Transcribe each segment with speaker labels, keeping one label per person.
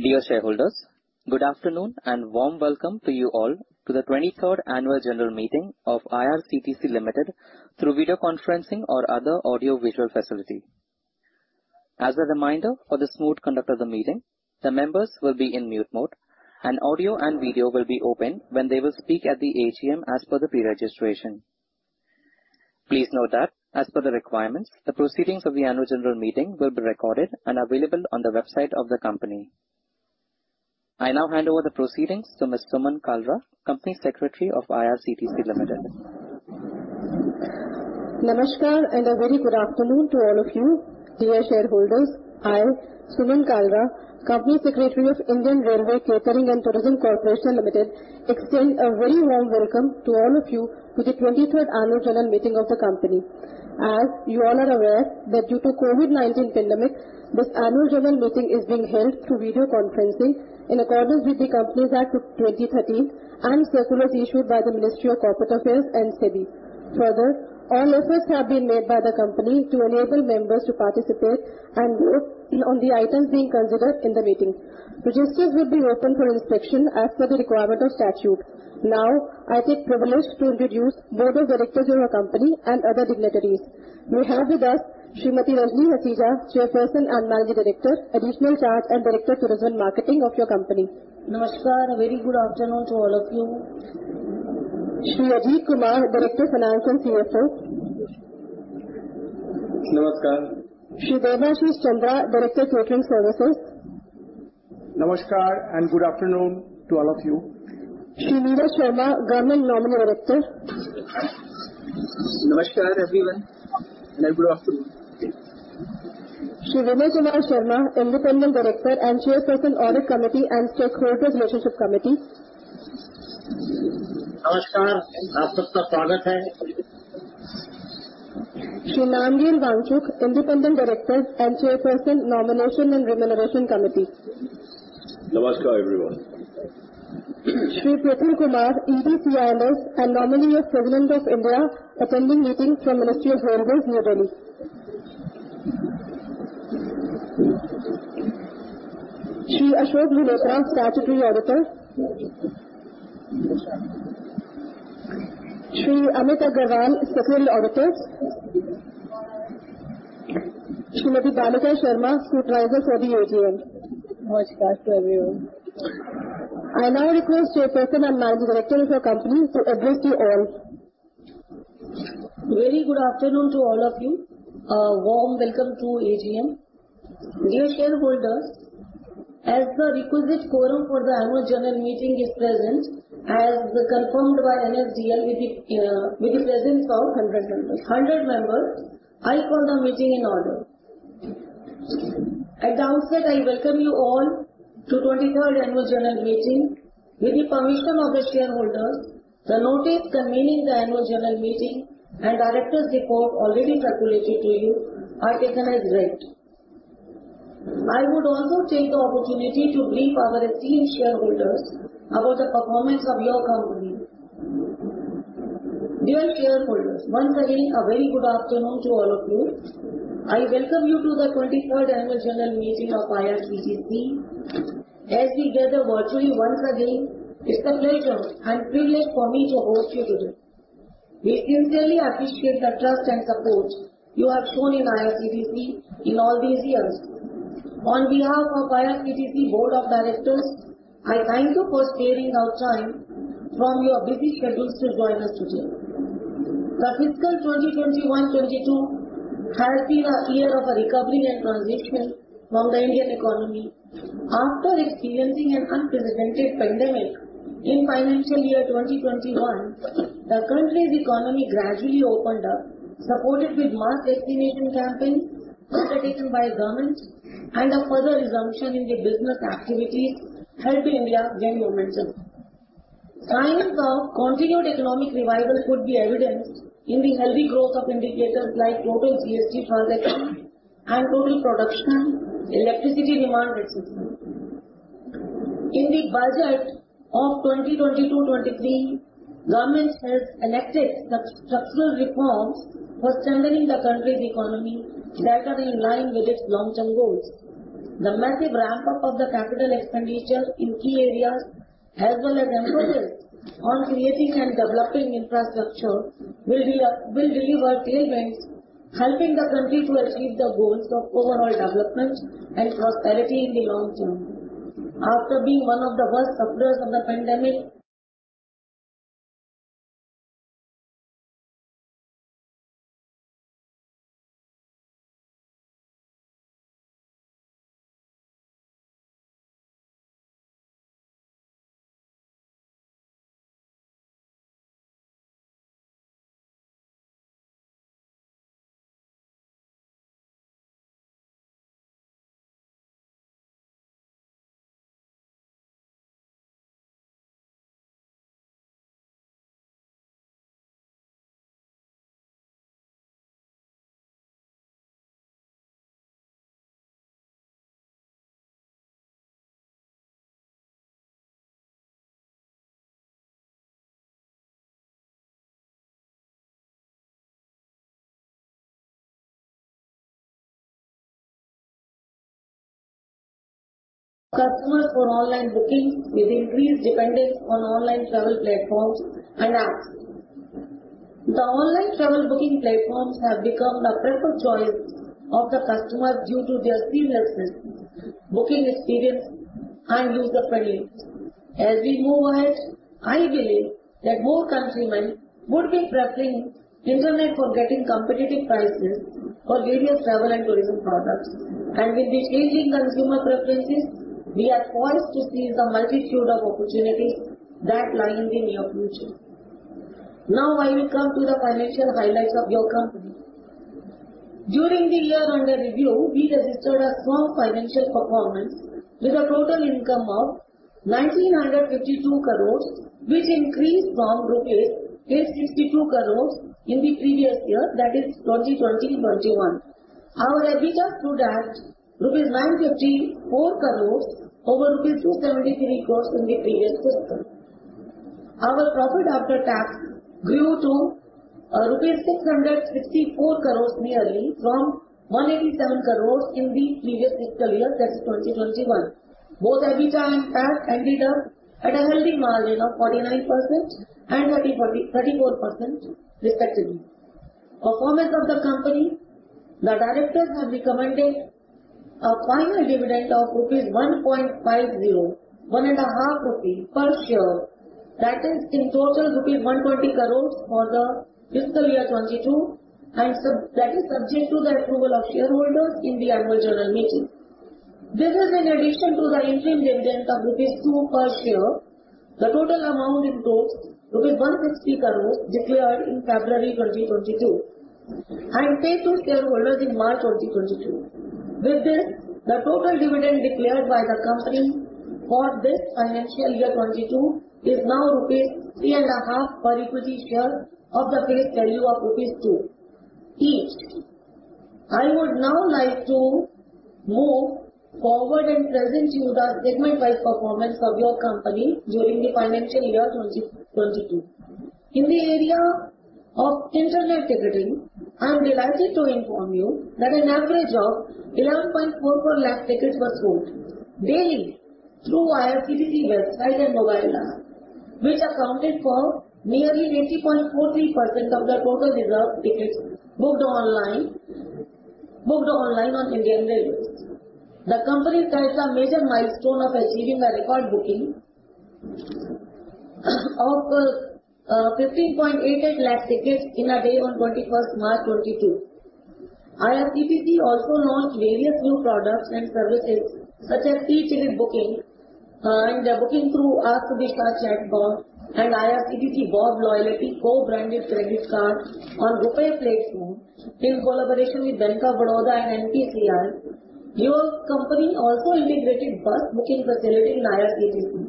Speaker 1: Dear shareholders, good afternoon and warm welcome to you all to the twenty-third annual general meeting of IRCTC Limited through video conferencing or other audio visual facility. As a reminder for the smooth conduct of the meeting, the members will be in mute mode and audio and video will be open when they will speak at the AGM as per the pre-registration. Please note that as per the requirements, the proceedings of the annual general meeting will be recorded and available on the website of the company. I now hand over the proceedings to Ms. Suman Kalra, Company Secretary of IRCTC Limited.
Speaker 2: Namaskar, and a very good afternoon to all of you. Dear shareholders, I, Suman Kalra, Company Secretary of Indian Railway Catering and Tourism Corporation Limited, extend a very warm welcome to all of you to the 23rd annual general meeting of the company. As you all are aware that due to COVID-19 pandemic, this annual general meeting is being held through video conferencing in accordance with the Companies Act of 2013 and circulars issued by the Ministry of Corporate Affairs and SEBI. Further, all efforts have been made by the company to enable members to participate and vote on the items being considered in the meeting. Registers will be open for inspection as per the requirement of statute. Now, I take privilege to introduce Board of Directors of our company and other dignitaries. We have with us Shrimati Rajni Hasija, Chairperson and Managing Director, Additional Charge and Director Tourism Marketing of your company.
Speaker 3: Namaskar, a very good afternoon to all of you.
Speaker 2: Shri Ajit Kumar, Director Finance and CFO.
Speaker 4: Namaskar.
Speaker 2: Shri Debashis Chandra, Director Catering Services.
Speaker 5: Namaskar and good afternoon to all of you.
Speaker 2: Shri Neeraj Sharma, Government Nominee Director.
Speaker 4: Namaskar everyone and a good afternoon.
Speaker 2: Shri Vinay Kumar Sharma, Independent Director and Chairperson, Audit Committee and Shareholders Relationship Committee.
Speaker 4: Namaskar.
Speaker 2: Shri Namgyal Wangchuk, Independent Director and Chairperson, Nomination and Remuneration Committee.
Speaker 4: Namaskar everyone.
Speaker 2: Shri Praful Kumar, ED, CRIS, and Nominee of Government of India, attending meeting from Ministry of Railways, New Delhi. Shri Ashok Vinod Kumar, Statutory Auditor. Shri Amit Agarwal, Internal Auditors. Shrimati Balika Sharma, Supervisor for the AGM.
Speaker 4: Namaskar to everyone.
Speaker 2: I now request Chairperson and Managing Director of your company to address you all.
Speaker 3: Very good afternoon to all of you. A warm welcome to AGM. Dear shareholders, as the requisite quorum for the annual general meeting is present, as confirmed by NSDL with the presence of 100 members. I call the meeting in order. At the outset, I welcome you all to twenty-third annual general meeting. With the permission of the shareholders, the notice convening the annual general meeting and director's report already circulated to you are taken as read. I would also take the opportunity to brief our esteemed shareholders about the performance of your company. Dear shareholders, once again, a very good afternoon to all of you. I welcome you to the twenty-third annual general meeting of IRCTC. As we gather virtually once again, it's a pleasure and privilege for me to host you today. We sincerely appreciate the trust and support you have shown in IRCTC in all these years. On behalf of IRCTC Board of Directors, I thank you for sparing your time from your busy schedules to join us today. The fiscal 2021/2022 has been a year of a recovery and transition for the Indian economy. After experiencing an unprecedented pandemic in financial year 2021, the country's economy gradually opened up, supported by a mass vaccination campaign undertaken by the government and a further resumption in the business activities helping India gain momentum. Signs of continued economic revival could be evidenced in the healthy growth of indicators like total GST collections and total production, electricity demand, et cetera. In the budget of 2022/2023, government has announced structural reforms for strengthening the country's economy that are in line with its long-term goals. The massive ramp up of the capital expenditure in key areas, as well as emphasis on creating and developing infrastructure, will deliver tailwinds, helping the country to achieve the goals of overall development and prosperity in the long term. After being one of the worst sufferers of the pandemic. Customers for online bookings with increased dependence on online travel platforms and apps. The online travel booking platforms have become the preferred choice of the customer due to their seamless booking experience and user-friendliness. As we move ahead, I believe that more countrymen would be preferring internet for getting competitive prices for various travel and tourism products. With the changing consumer preferences, we are poised to seize the multitude of opportunities that lie in the near future. Now I will come to the financial highlights of your company. During the year under review, we registered a strong financial performance with a total income of 1,952 crore, which increased from rupees 862 crore in the previous year, that is 2020 to 2021. Our EBITDA stood at 954 crore rupees over 273 crore rupees in the previous fiscal. Our profit after tax grew to 664 crore rupees nearly from 187 crore in the previous fiscal year, that is 2021. Both EBITDA and PAT ended up at a healthy margin of 49% and 34% respectively. Performance of the company. The directors have recommended a final dividend of rupees 1.50, one and a half rupee per share. That is in total rupees 120 crore for the fiscal year 2022, and that is subject to the approval of shareholders in the annual general meeting. This is in addition to the interim dividend of 2 rupees per share. The total amount, 160 crores rupees declared in February 2022 and paid to shareholders in March 2022. With this, the total dividend declared by the company for this financial year 2022 is now rupees 3 and a half per equity share of the face value of rupees 2 each. I would now like to move forward and present to you the segment-wise performance of your company during the financial year 2022. In the area of internet ticketing, I'm delighted to inform you that an average of 11.44 lakh tickets was sold daily through IRCTC website and mobile app, which accounted for nearly 80.43% of the total reserved tickets booked online on Indian Railways. The company set a major milestone of achieving a record booking of 15.88 lakh tickets in a day on 21st March 2022. IRCTC also launched various new products and services such as free ticket booking, and booking through Ask DISHA chatbot and IRCTC BoB RuPay co-branded credit card on GPay platform in collaboration with Bank of Baroda and NPCI. Your company also integrated bus booking facility in IRCTC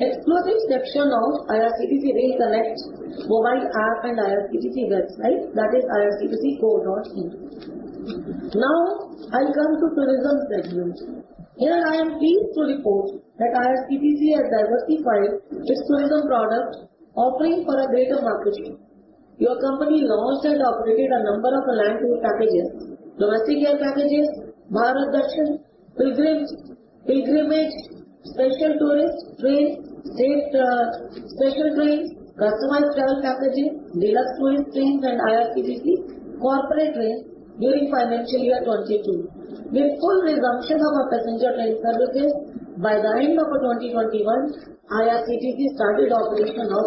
Speaker 3: exclusive section of IRCTC Rail Connect mobile app and IRCTC website, that is irctc.co.in. Now I come to tourism segment. Here I am pleased to report that IRCTC has diversified its tourism product offering for a greater market share. Your company launched and operated a number of land tour packages, domestic air packages, Bharat Darshan pilgrimage, special tourist trains, state special trains, customized travel packages, deluxe tourist trains, and IRCTC corporate trains during financial year 2022. With full resumption of passenger train services by the end of 2021, IRCTC started operation of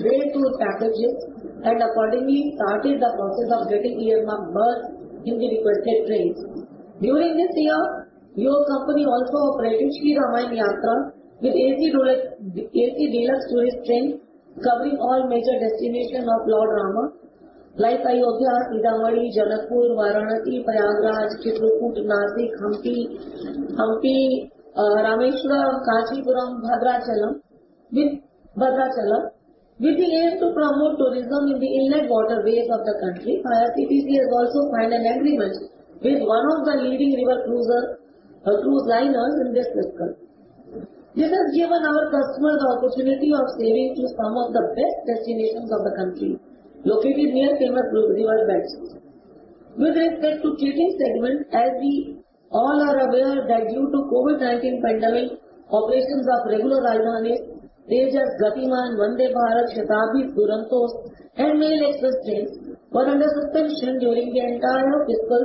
Speaker 3: rail tour packages and accordingly started the process of getting earmarked berths in the requested trains. During this year, your company also operated Shri Ramayana Yatra with AC deluxe tourist train covering all major destinations of Lord Rama like Ayodhya, Sitamarhi, Janakpur, Varanasi, Prayagraj, Chitrakoot, Nashik, Hampi, Rameshwaram, Kanchipuram, Bhadrachalam. With the aim to promote tourism in the inland waterways of the country, IRCTC has also signed an agreement with one of the leading river cruise liners in this sector. This has given our customers the opportunity of sailing through some of the best destinations of the country located near famous riverbanks. With respect to catering segment, as we all are aware that due to COVID-19 pandemic, operations of regular Rajdhani, Gatimaan, Vande Bharat, Shatabdi, Duronto, and mail express trains were under suspension during the entire fiscal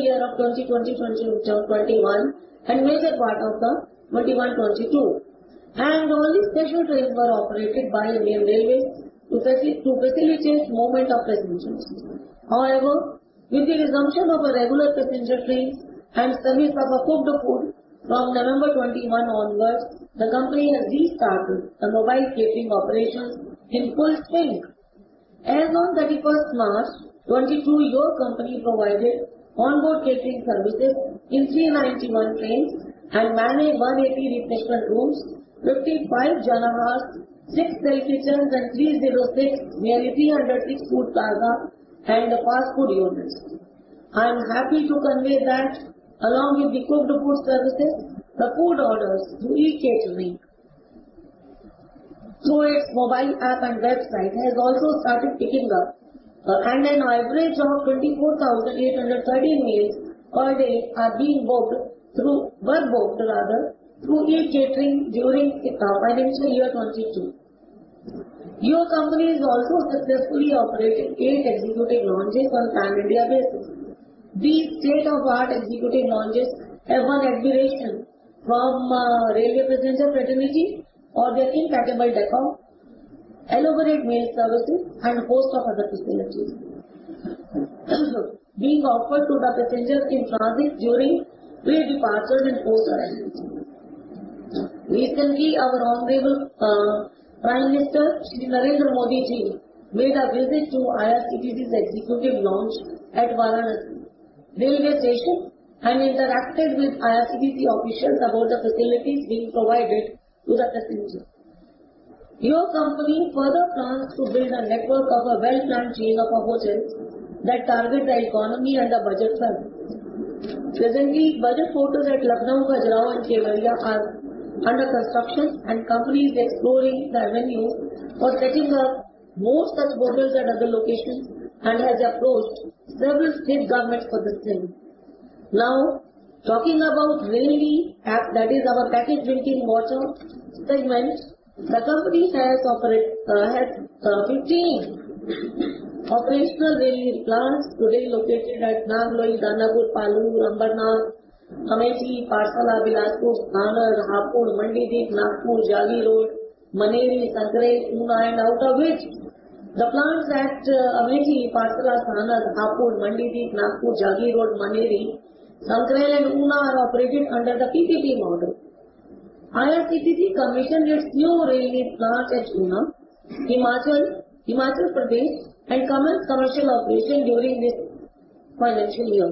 Speaker 3: year of 202-2021 and major part of the 2021/2022. Only special trains were operated by Indian Railways to facilitate movement of passengers. However, with the resumption of regular passenger trains and service of cooked food from November 2021 onwards, the company has restarted the mobile catering operations in full swing. As on 31 March 2022, your company provided onboard catering services in 391 trains and managed 180 refreshment rooms, 55 Jan Ahaars, 6 self-kitchens and 306, nearly 306 food plazas and fast food units. I am happy to convey that along with the cooked food services, the food orders through e-catering through its mobile app and website has also started picking up. An average of 24,813 meals per day are being booked through were booked rather through e-catering during financial year 2022. Your company is also successfully operating 8 executive lounges on pan-India basis. These state-of-the-art executive lounges have won admiration from railway passenger fraternity for their impeccable decor, elaborate meal services and a host of other facilities being offered to the passengers in transit during pre-departures and post-arrivals. Recently, our honorable Prime Minister Shri Narendra Modi made a visit to IRCTC's executive lounge at Varanasi Railway Station and interacted with IRCTC officials about the facilities being provided to the passengers. Your company further plans to build a network of a well-planned chain of hotels that target the economy and the budget travelers. Presently, budget hotels at Lucknow, Bhubaneswar, and Kevadia are under construction, and company is exploring the avenues for setting up more such hotels at other locations and has approached several state governments for the same. Now, talking about Rail Neer, that is our packaged drinking water segment. The company has 15 operational Rail Neer plants today located at Nangloi, Danapur, Palur, Amarnath, Amausi, Parsa, Bilaspur, Thane, Hapur, Mandideep, Nagpur, Jagiroad, Maneri, Sankrail, Una. Out of which the plants at Amausi, Parsa, Thaner, Hapur, Mandideep, Nagpur, Jagiroad, Maneri, Sankrail, and Una are operated under the PPP model. IRCTC commissioned its new Rail Neer plant at Una, Himachal Pradesh, and commenced commercial operation during this financial year.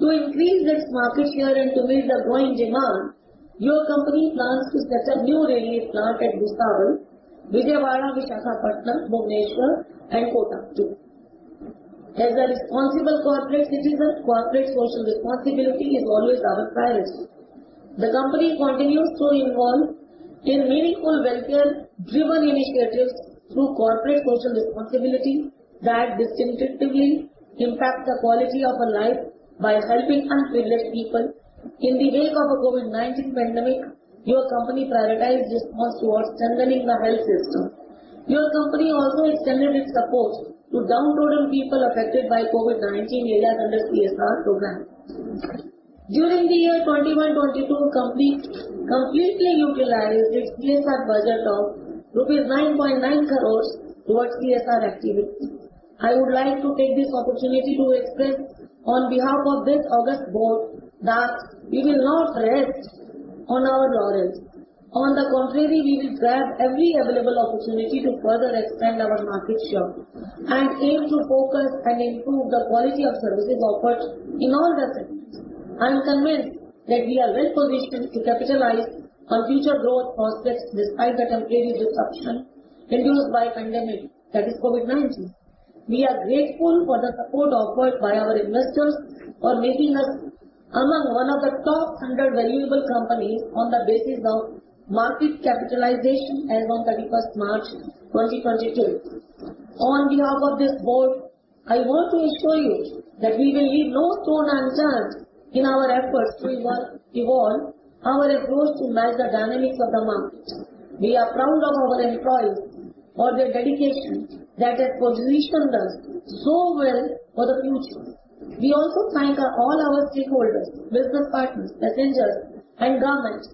Speaker 3: To increase its market share and to meet the growing demand, your company plans to set up new Rail Neer plant at Visakhapatnam, Bhubaneswar, and Kota too. As a responsible corporate citizen, corporate social responsibility is always our priority. The company continues to involve in meaningful welfare-driven initiatives through corporate social responsibility that distinctively impact the quality of a life by helping underprivileged people. In the wake of the COVID-19 pandemic, your company prioritized its response towards strengthening the health system. Your company also extended its support to downtrodden people affected by COVID-19 areas under CSR program. During the year 2021-22, company completely utilized its CSR budget of rupees 9.9 crores towards CSR activities. I would like to take this opportunity to express on behalf of this august board that we will not rest on our laurels. On the contrary, we will grab every available opportunity to further expand our market share and aim to focus and improve the quality of services offered in all the segments. I am convinced that we are well-positioned to capitalize on future growth prospects despite the temporary disruption induced by pandemic that is COVID-19. We are grateful for the support offered by our investors for making us among one of the top 100 valuable companies on the basis of market capitalization as on 31st March 2022. On behalf of this board, I want to assure you that we will leave no stone unturned in our efforts to evolve our approach to match the dynamics of the market. We are proud of our employees for their dedication that has positioned us so well for the future. We also thank all our stakeholders, business partners, passengers, and governments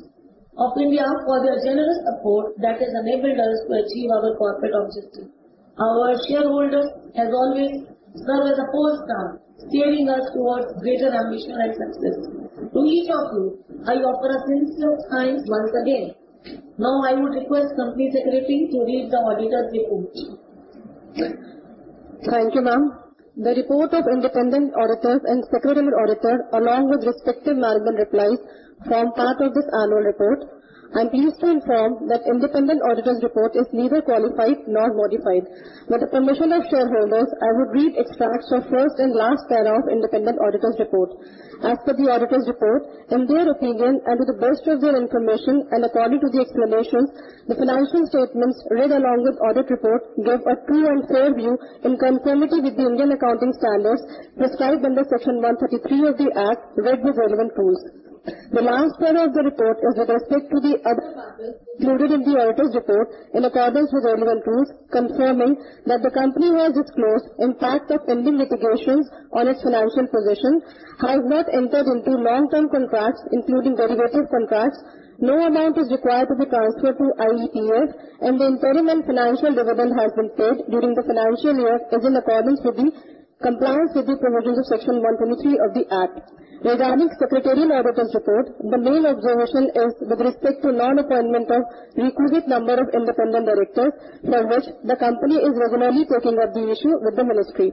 Speaker 3: of India for their generous support that has enabled us to achieve our corporate objectives. Our shareholders has always served as a force now, steering us towards greater ambition and success. To each of you, I offer a sincere thanks once again. Now, I would request Company Secretary to read the auditor's report.
Speaker 2: Thank you, ma'am. The report of independent auditors and secretarial auditors along with respective management replies form part of this annual report. I'm pleased to inform that independent auditor's report is neither qualified nor modified. With the permission of shareholders, I would read extracts from first and last paragraph independent auditor's report. As per the auditor's report, in their opinion, and to the best of their information, and according to the explanations, the financial statements read along with audit report give a true and fair view in conformity with the Indian Accounting Standards prescribed under Section 133 of the Act read with relevant rules. The last part of the report is with respect to the other matters included in the auditor's report in accordance with relevant rules, confirming that the company has disclosed impact of pending litigations on its financial position, has not entered into long-term contracts including derivative contracts. No amount is required to be transferred to IEPF, and the interim and final dividend has been paid during the financial year is in accordance with compliance with the provisions of Section 123 of the Act. Regarding secretarial auditor's report, the main observation is with respect to non-appointment of requisite number of independent directors for which the company is regularly taking up the issue with the ministry.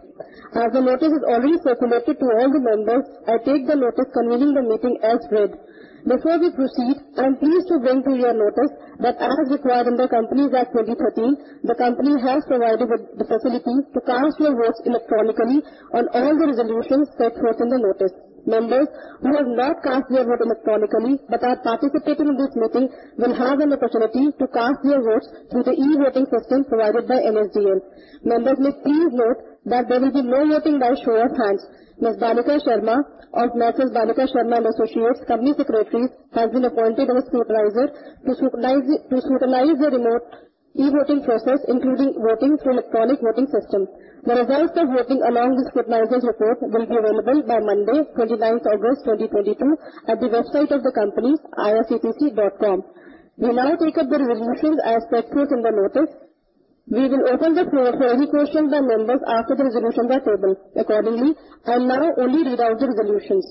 Speaker 2: As the notice is already circulated to all the members, I take the notice convening the meeting as read. Before we proceed, I'm pleased to bring to your notice that as required under Companies Act 2013, the company has provided with the facility to cast your votes electronically on all the resolutions set forth in the notice. Members who have not cast their vote electronically but are participating in this meeting will have an opportunity to cast their votes through the e-voting system provided by NSDL. Members may please note that there will be no voting by show of hands. Ms. Balika Sharma of M/s Balika Sharma & Associates, Company Secretaries, has been appointed as supervisor to supervise the remote e-voting process, including voting through electronic voting system. The results of voting along with supervisor's report will be available by Monday, 29th August 2022, at the website of the company, irctc.co.in. We now take up the resolutions as set forth in the notice. We will open the floor for any questions by members after the resolutions are tabled. Accordingly, I now only read out the resolutions.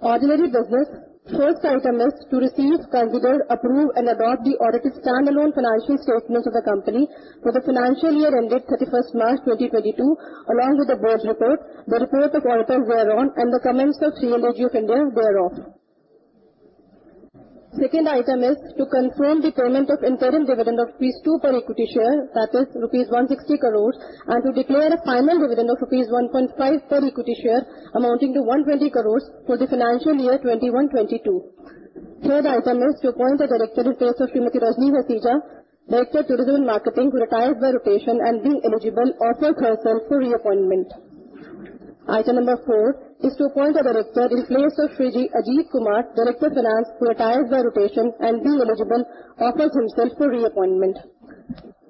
Speaker 2: Ordinary business. First item is to receive, consider, approve, and adopt the audited standalone financial statements of the company for the financial year ended 31st March 2022, along with the board's report, the report of auditors thereon, and the comments of C&AG of India thereof. Second item is to confirm the payment of interim dividend of rupees 2 per equity share, that is rupees 160 crores, and to declare a final dividend of rupees 1.5 per equity share amounting to 120 crores for the financial year 2021-2022. Third item is to appoint a director in place of Srimati Rajni Hasija, Director Trade and Marketing, who retired by rotation and being eligible, offers herself for reappointment. Item number four is to appoint a director in place of Shri Ajit Kumar, Director Finance, who retired by rotation and being eligible, offers himself for reappointment.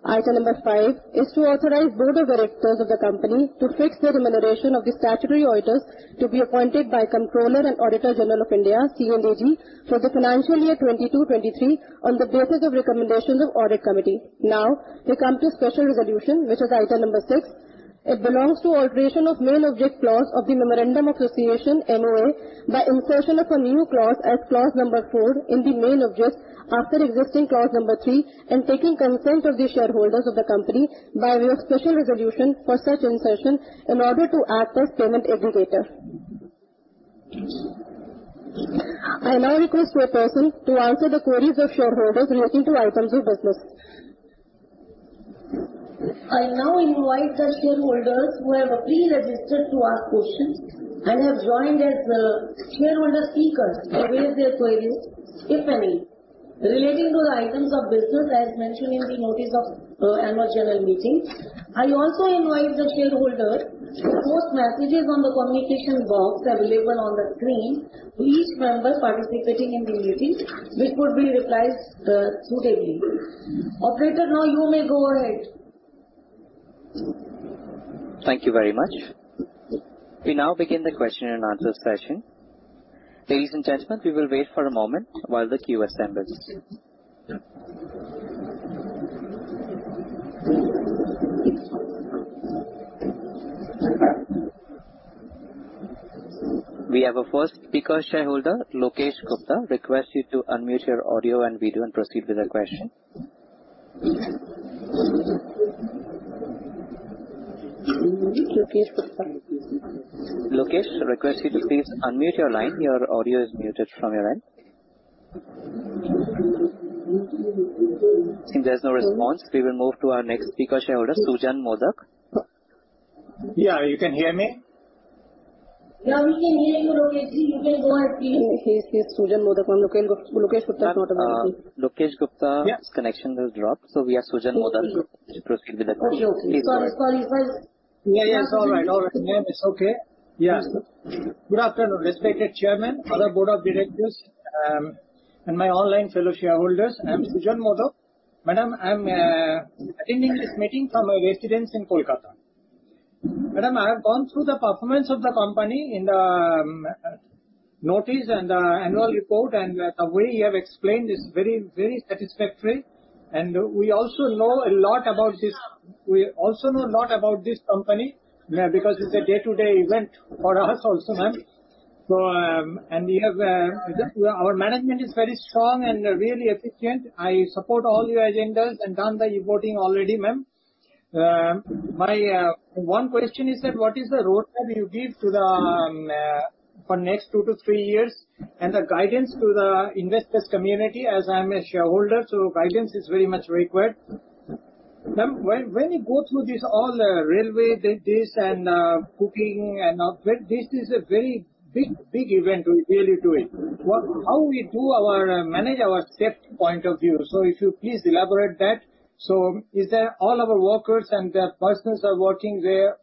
Speaker 2: Item number five is to authorize Board of Directors of the company to fix the remuneration of the statutory auditors to be appointed by Comptroller and Auditor General of India, C&AG, for the financial year 2022-2023 on the basis of recommendations of Audit Committee. Now, we come to special resolution, which is item number six. It belongs to alteration of main object clause of the Memorandum of Association, MOA, by insertion of a new clause as clause number four in the main object after existing clause number three, and taking consent of the shareholders of the company by way of special resolution for such insertion in order to act as payment aggregator. I now request the person to answer the queries of shareholders relating to items of business.
Speaker 3: I now invite the shareholders who have pre-registered to ask questions and have joined as shareholder speakers to raise their queries, if any, relating to the items of business as mentioned in the notice of annual general meeting. I also invite the shareholder to post messages on the communication box available on the screen to each member participating in the meeting, which would be replied suitably. Operator, now you may go ahead.
Speaker 1: Thank you very much. We now begin the question and answer session. Ladies and gentlemen, we will wait for a moment while the queue assembles. We have our first speaker shareholder, Lokesh Gupta. Request you to unmute your audio and video and proceed with your question.
Speaker 3: Lokesh Gupta.
Speaker 1: Lokesh, I request you to please unmute your line. Your audio is muted from your end. Seeing there's no response, we will move to our next speaker shareholder, Sujan Modak.
Speaker 6: Yeah. You can hear me?
Speaker 3: Yeah. We can hear you, Lokesh. You can go ahead, please.
Speaker 2: He's Sujan Modak. Lokesh Gupta is not available.
Speaker 1: Lokesh Gupta's
Speaker 6: Yeah.
Speaker 1: Connection has dropped, so we have Sujan Modak.
Speaker 3: Okay.
Speaker 1: Please proceed with the question.
Speaker 3: Okay. Sorry.
Speaker 6: Yeah, yeah. It's all right. All right, ma'am. It's okay. Yeah. Good afternoon, respected Chairman, other Board of Directors, and my online fellow shareholders. I'm Sujan Modak. Madam, I'm attending this meeting from my residence in Kolkata. Madam, I have gone through the performance of the company in the notice and annual report, and the way you have explained is very, very satisfactory. We also know a lot about this. We also know a lot about this company, because it's a day-to-day event for us also, ma'am. Our management is very strong and really efficient. I support all your agendas and done the e-voting already, ma'am. My one question is what is the roadmap you give to the for next 2-3 years and the guidance to the investors community as I'm a shareholder, so guidance is very much required. Ma'am, when you go through this all railway this and booking and all, well, this is a very big event we really do it. How we do our manage our safety point of view? If you please elaborate that. Is there all our workers and their persons are working there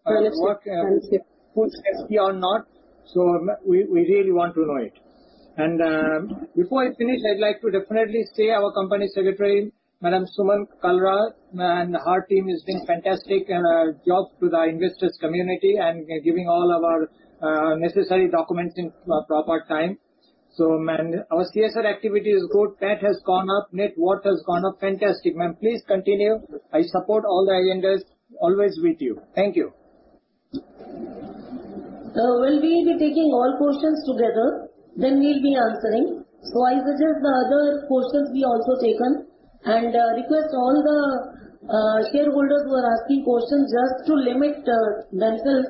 Speaker 6: work safe food safety or not? Ma'am, we really want to know it. Before I finish, I'd like to definitely say our company secretary, Madam Suman Kalra, and her team is doing fantastic job to the investors community and giving all of our necessary documents in proper time. Ma'am, our CSR activity is good. That has gone up. Net worth has gone up. Fantastic, ma'am. Please continue. I support all the agendas. Always with you. Thank you.
Speaker 2: We'll be taking all questions together, then we'll be answering. I suggest the other questions be also taken, and request all the shareholders who are asking questions just to limit themselves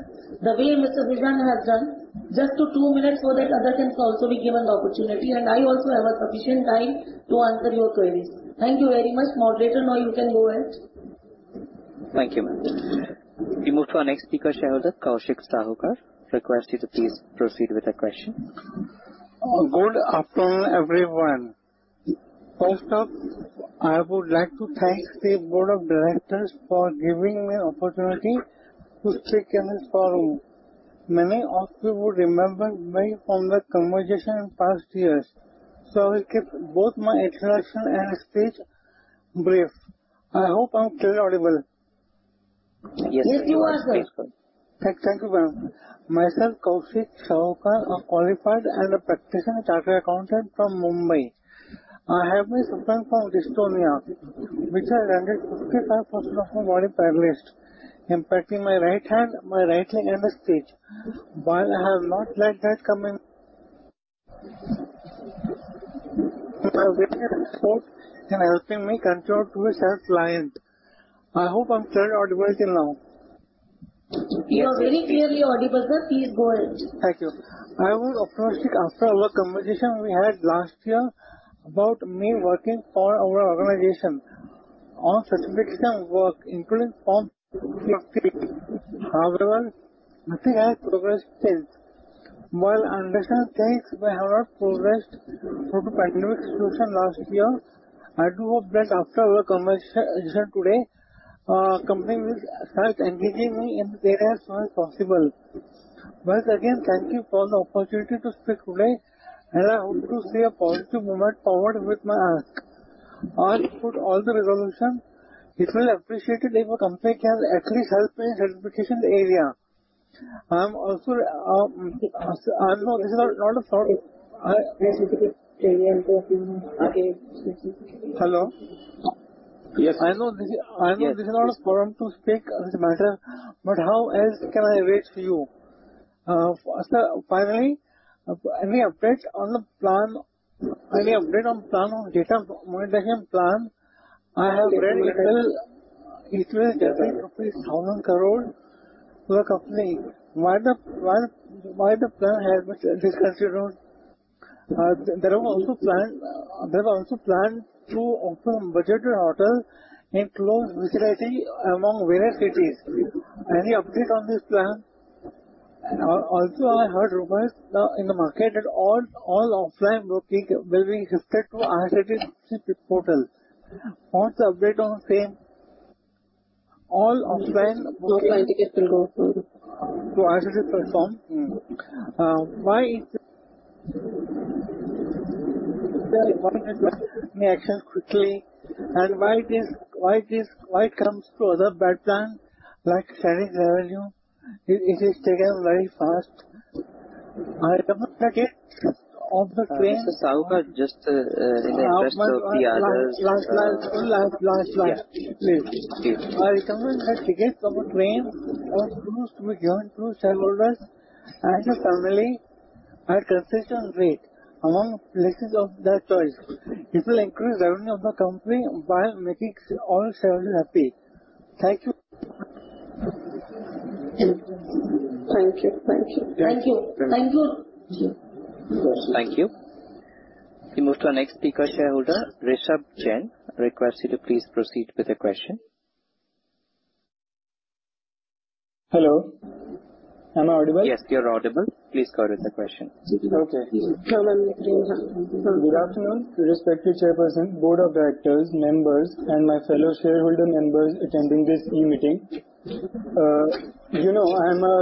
Speaker 2: the way Mr. Sujan has done, just to two minutes so that others can also be given the opportunity, and I also have a sufficient time to answer your queries. Thank you very much. Moderator, now you can go ahead.
Speaker 1: Thank you, ma'am. We move to our next speaker shareholder, Kaushik Sahukar. Request you to please proceed with the question.
Speaker 7: Good afternoon, everyone. First up, I would like to thank the board of directors for giving me opportunity to speak in this forum. Many of you would remember me from the conversation in past years, so I will keep both my introduction and speech brief. I hope I'm clearly audible.
Speaker 3: Yes, you are, sir.
Speaker 7: Thank you, ma'am. Myself Kaushik Sahukar, a qualified and a practicing chartered accountant from Mumbai. I have been suffering from dystonia, which has rendered 55% of my body paralyzed, impacting my right hand, my right leg and the speech. I have not let that come in. For giving me support and helping me continue to be self-reliant. I hope I'm clearly audible till now.
Speaker 2: You are very clearly audible, sir. Please go ahead.
Speaker 7: Thank you. I was optimistic after our conversation we had last year about me working for our organization on sustainability work, including from home. However, nothing has progressed since. While I understand things may have not progressed due to pandemic situation last year, I do hope that after our conversation today, company will start engaging me in the area as soon as possible. Once again, thank you for the opportunity to speak today, and I hope to see a positive movement forward with my ask. I support all the resolutions. I would appreciate it if a company can at least help in implementation area. I know this is not a forum.
Speaker 3: Okay.
Speaker 7: Hello.
Speaker 3: Yes.
Speaker 7: I know this is not a forum to speak this matter, but how else can I reach to you? Sir, finally, any update on plan on data monetization plan? I have read little. It will generate roughly INR 1,000 crore for the company. Why the plan has been discontinued? There were also plan to offer budget hotel in close vicinity among various cities. Any update on this plan? Also, I heard rumors now in the market that all offline booking will be shifted to IRCTC portal. What's the update on same? All offline.
Speaker 3: Offline tickets will go through.
Speaker 7: To IRCTC platform. Why it takes any action quickly? Why this why it comes to other bad plan like sharing revenue? It is taken very fast. I recommend that it of the train-
Speaker 3: Mr. Kaushik Sahukar, just in the interest of the others.
Speaker 7: Please. I recommend that tickets of a train must be given to shareholders and their family at concession rate among places of their choice. It will increase revenue of the company while making all shareholders happy. Thank you.
Speaker 2: Thank you.
Speaker 7: Thank you.
Speaker 3: Thank you. We move to our next speaker shareholder, Rishabh Jain. Request you to please proceed with your question.
Speaker 8: Hello, am I audible?
Speaker 3: Yes, you are audible. Please go with the question.
Speaker 8: Okay. Good afternoon, respected chairperson, board of directors, members, and my fellow shareholder members attending this e-meeting. You know, I am a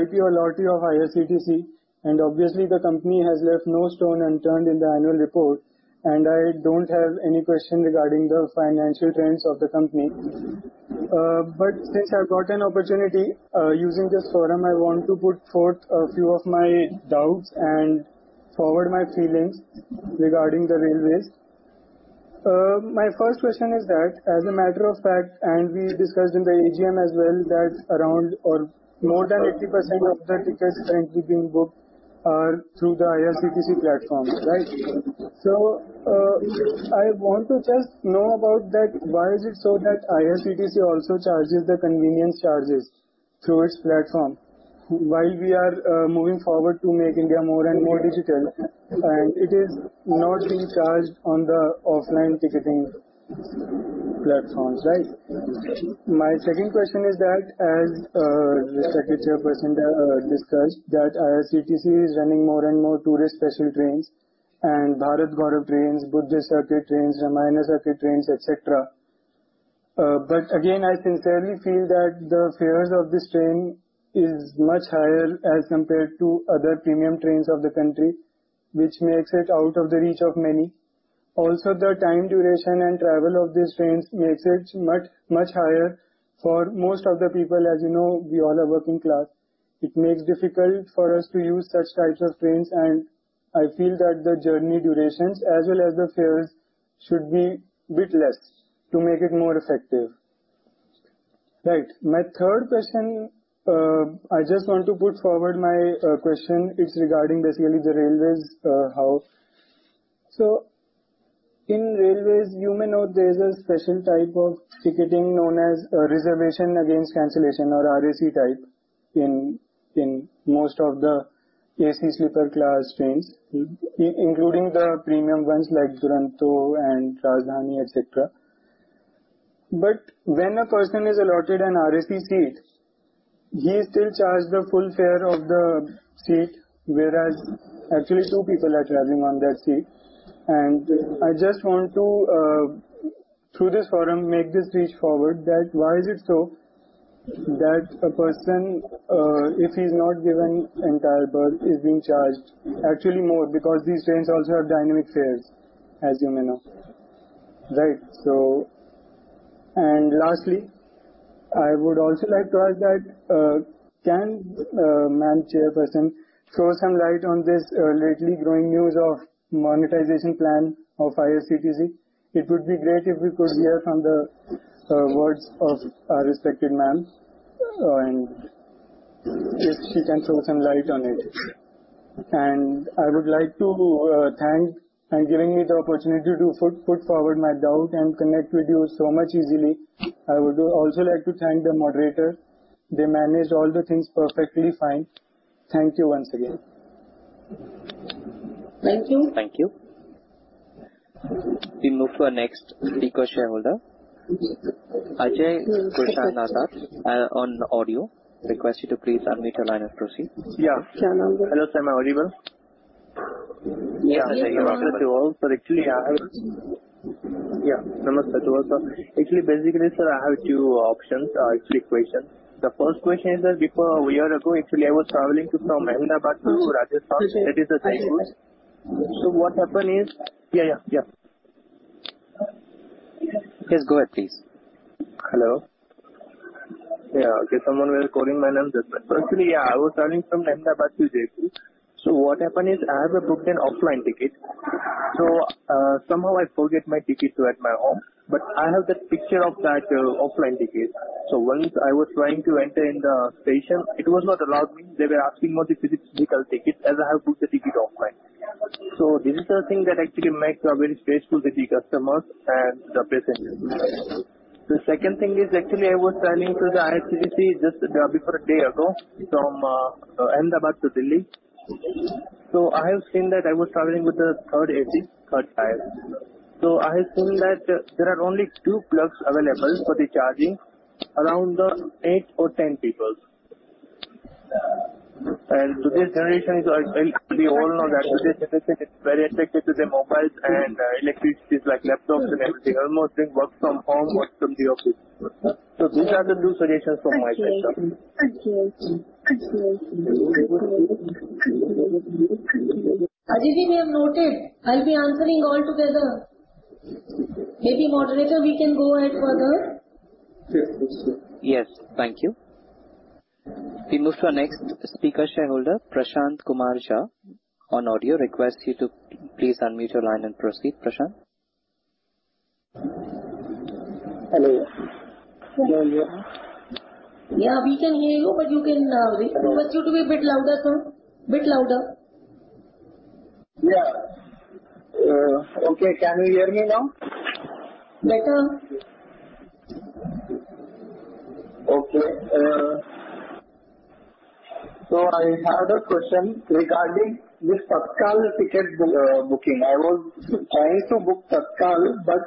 Speaker 8: IPO allottee of IRCTC, and obviously the company has left no stone unturned in the annual report, and I don't have any question regarding the financial trends of the company. But since I've got an opportunity, using this forum, I want to put forth a few of my doubts and forward my feelings regarding the railways. My first question is that, as a matter of fact, and we discussed in the AGM as well, that around or more than 80% of the tickets currently being booked are through the IRCTC platform. Right? I want to just know about that. Why is it so that IRCTC also charges the convenience charges through its platform while we are moving forward to make India more and more digital? It is not being charged on the offline ticketing platforms, right? My second question is that as respected chairperson discussed that IRCTC is running more and more tourist special trains and Bharat Gaurav trains, Buddhist Circuit trains, Ramayana Circuit trains, etc. Again, I sincerely feel that the fares of this train is much higher as compared to other premium trains of the country, which makes it out of the reach of many. Also, the time duration and travel of these trains makes it much, much higher for most of the people. As you know, we all are working class. It makes difficult for us to use such types of trains, and I feel that the journey durations as well as the fares should be bit less to make it more effective. Right. My third question, I just want to put forward my question. It's regarding basically the railways. In railways you may know there is a special type of ticketing known as Reservation Against Cancellation or RAC type in most of the AC sleeper class trains, including the premium ones like Duronto and Rajdhani, etc. But when a person is allotted an RAC seat, he is still charged the full fare of the seat, whereas actually two people are traveling on that seat. I just want to, through this forum, make this reach forward that why is it so that a person, if he's not given entire berth, is being charged actually more because these trains also have dynamic fares, as you may know. Right. Lastly, I would also like to ask that can Madam Chairperson throw some light on this lately growing news of monetization plan of IRCTC? It would be great if we could hear from the words of our respected ma'am, and if she can throw some light on it. I would like to thank and giving me the opportunity to put forward my doubt and connect with you so much easily. I would also like to thank the moderator. They managed all the things perfectly fine. Thank you once again. Thank you.
Speaker 1: Thank you. We move to our next speaker shareholder, Ajay Prashant Nath. On audio request you to please unmute your line and proceed.
Speaker 9: Yeah.
Speaker 3: Yeah.
Speaker 9: Hello, sir. Am I audible?
Speaker 3: Yes.
Speaker 9: Namaste to all, sir. Actually, basically sir, I have two questions. The first question is that before a year ago, actually I was traveling from Ahmedabad to Rajasthan. That is the train route. What happened is.
Speaker 1: Yes, go ahead please.
Speaker 9: Hello? Yeah. Okay. Someone was calling my name just but firstly, I was traveling from Ahmedabad to Jaipur. What happened is I have a booked an offline ticket. Somehow I forget my ticket at my home, but I have that picture of that offline ticket. Once I was trying to enter in the station, it was not allowing me. They were asking for the physical ticket as I have booked the ticket offline. This is the thing that actually makes a very stressful the customers and the passengers. The second thing is actually I was traveling through the IRCTC just before a day ago from Ahmedabad to Delhi. I have seen that I was traveling with the third AC, third tier. I have seen that there are only two plugs available for the charging around the 8 or 10 people. Today's generation is, we all know that today's generation is very addicted to their mobiles and electronics like laptops and everything. Almost they work from home, work from the office. These are the two suggestions from my side, sir.
Speaker 3: Ajay ji, we have noted. I'll be answering all together. Maybe moderator, we can go ahead further.
Speaker 1: Yes, sure. Yes. Thank you. We move to our next speaker shareholder, Prashant Kumar Jha. I request you to please unmute your line and proceed. Prashant.
Speaker 9: Hello.
Speaker 3: Yeah, we can hear you, but you can, request you to be a bit louder, sir. Bit louder.
Speaker 9: Yeah. Okay. Can you hear me now?
Speaker 3: Better.
Speaker 9: Okay. I have a question regarding this Tatkal ticket booking. I was trying to book Tatkal, but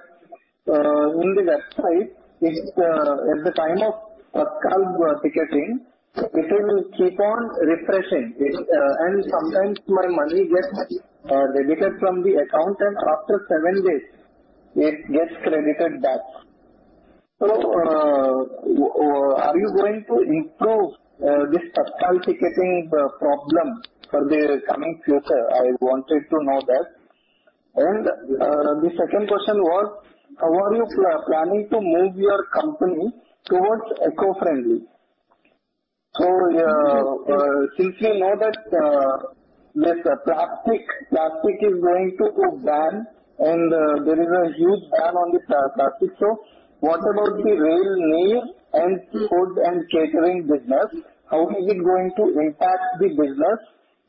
Speaker 9: in the website, at the time of Tatkal ticketing, it will keep on refreshing. It and sometimes my money gets deducted from the account and after seven days it gets credited back. Are you going to improve this Tatkal ticketing problem for the coming future? I wanted to know that. The second question was, how are you planning to move your company towards eco-friendly? Since we know that this plastic is going to be banned and there is a huge ban on the plastic. What about the Rail Neer and food and catering business? How is it going to impact the business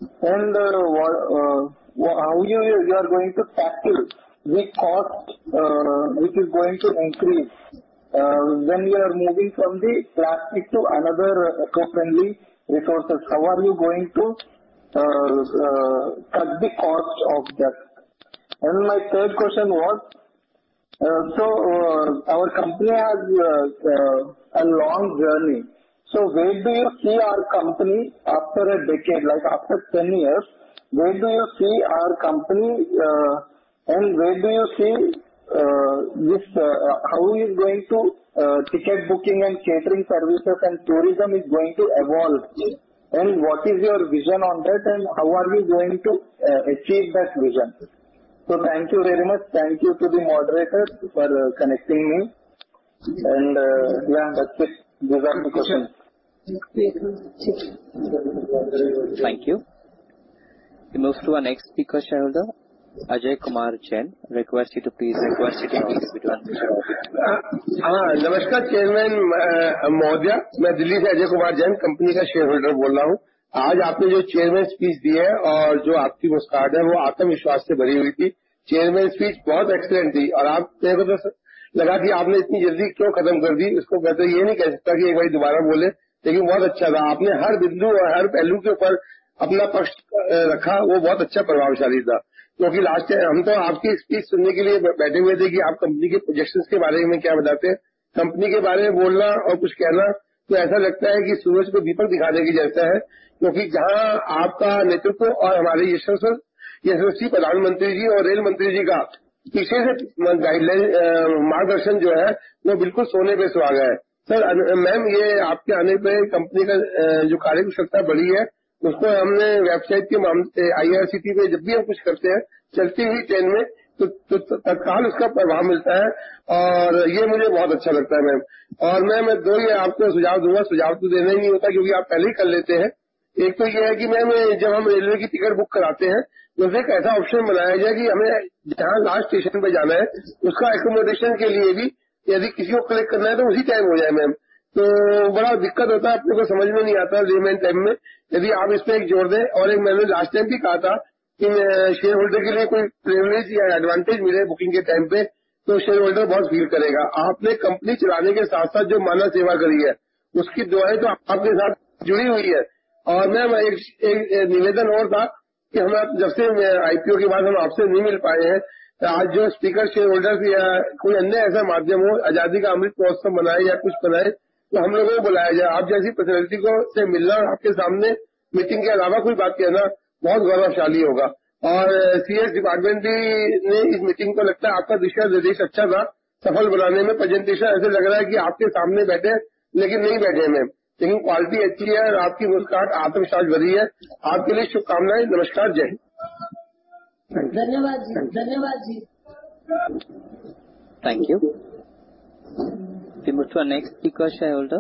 Speaker 9: and how you are going to tackle the cost, which is going to increase, when you are moving from the plastic to another eco-friendly resources. How are you going to cut the cost of that? My third question was, so, our company has a long journey. Where do you see our company after a decade, like after 10 years? Where do you see our company, and where do you see this, how ticket booking and catering services and tourism is going to evolve? What is your vision on that, and how are we going to achieve that vision? Thank you very much. Thank you to the moderator for connecting me. Yeah, that's it. These are my questions.
Speaker 1: Thank you. We move to our next speaker shareholder, Ajay Kumar Jain. Request you to please.
Speaker 3: Request you to please.
Speaker 9: Hello, Chairman.
Speaker 10: ...Mahodaya. I am Ajay Kumar Jain from Delhi, shareholder of the company. The chairman's speech you gave today and your card was full of confidence. The chairman's speech was very excellent, and I felt like, why did you end it so quickly? I can't say this, that speak once again, but it was very good. You put your side on every point and every aspect, it was very impressive. Because last time we were sitting to hear your speech, what do you say about the projections of the company. Speaking and saying something about the company feels like showing light to the sun. Because where your leadership and our successful Prime Minister and Rail Minister's guidelines-
Speaker 11: मार्गदर्शन जो है वो बिल्कुल सोने पर सुहागा है। Sir, ma'am, ये आपके आने पर company का जो कार्य क्षमता बढ़ी है उसको हमने website के मामले IRCTC में जब भी हम कुछ करते हैं, चलते ही train में तो तत्काल उसका प्रभाव मिलता है और यह मुझे बहुत अच्छा लगता है मैम। मैं दो आपको सुझाव दूंगा। सुझाव तो देने नहीं होता क्योंकि आप पहले ही कर लेते हैं। एक तो यह है कि मैम जब हम railway की ticket book कराते हैं तो एक ऐसा option बनाया जाए कि हमें जहां last station पर जाना है उसका accommodation के लिए भी यदि किसी को collect करना है तो उसी time हो जाए, मैम, तो बड़ा दिक्कत होता है। अपने को समझ में नहीं आता remain time में। यदि आप इसमें एक जोड़ दें और एक मैंने last time भी कहा था कि shareholder के लिए कोई privilege या advantage मिले booking के time पर तो shareholder बहुत feel करेगा। आपने company चलाने के साथ साथ जो मानव सेवा करी है उसकी दुहाई तो आपके साथ जुड़ी हुई है। मैं एक निवेदन और था कि हम जब से IPO के बाद हम आपसे नहीं मिल पाए हैं, आज जो speaker shareholder या कोई अन्य ऐसा माध्यम हो, Azadi Ka Amrit Mahotsav मनाए या कुछ मनाए तो हम लोगों को बुलाया जाए। आप जैसी personality से मिलना, आपके सामने meeting के अलावा कुछ बात करना बहुत गौरवशाली होगा और CS department ने भी इस meeting को लगता है आपका दिशानिर्देश अच्छा था। सफल बनाने में presentation ऐसे लग रहा है कि आपके सामने बैठे हैं लेकिन नहीं बैठे हैं मैम, लेकिन quality अच्छी है और आपकी शुरुआत आत्मविश्वास भरी है। आपके लिए शुभकामनाएं। नमस्कार, जय हिंद।
Speaker 3: धन्यवाद जी। धन्यवाद जी।
Speaker 1: Thank you. We move to our next speaker, shareholder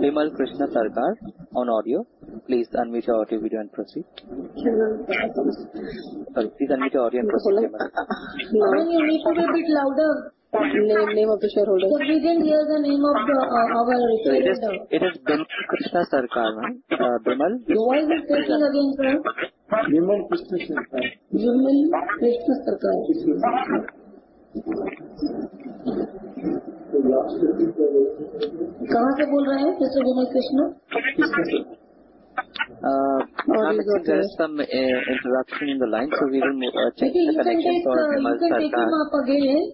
Speaker 1: Bimal Krishna Sarkar. On audio, please unmute your audio, video, and proceed.
Speaker 3: Please unmute your audio and proceed a bit louder. Name of the shareholder. We can hear the name of our IT is.
Speaker 1: It is Bimal Krishna Sarkar, ma'am.
Speaker 3: Bimal Krishna सरकार। Again sir। Bimal Krishna सरकार। बिमल कृष्णा सरकार कहां से बोल रहे हैं? कैसे? Bimal Krishna.
Speaker 1: There is some interruption in the line so we will check.
Speaker 3: You can take him up again.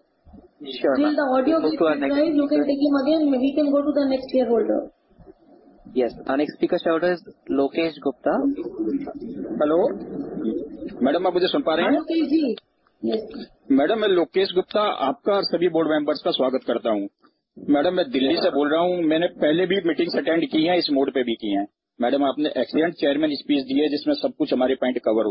Speaker 3: Sure ma'am. The audio if it is fine you can take him again. We can go to the next shareholder.
Speaker 1: Yes, our next speaker, shareholder, is Lokesh Gupta.
Speaker 11: Hello madam, आप मुझे सुन पा रहे हैं जी। Madam, मैं Lokesh Gupta, आपका और सभी board members का स्वागत करता हूं। Madam, मैं दिल्ली से बोल रहा हूं। मैंने पहले भी meetings attend की है, इस mode पर भी की है। Madam, आपने excellent chairman speech दी है जिसमें सब कुछ हमारे point cover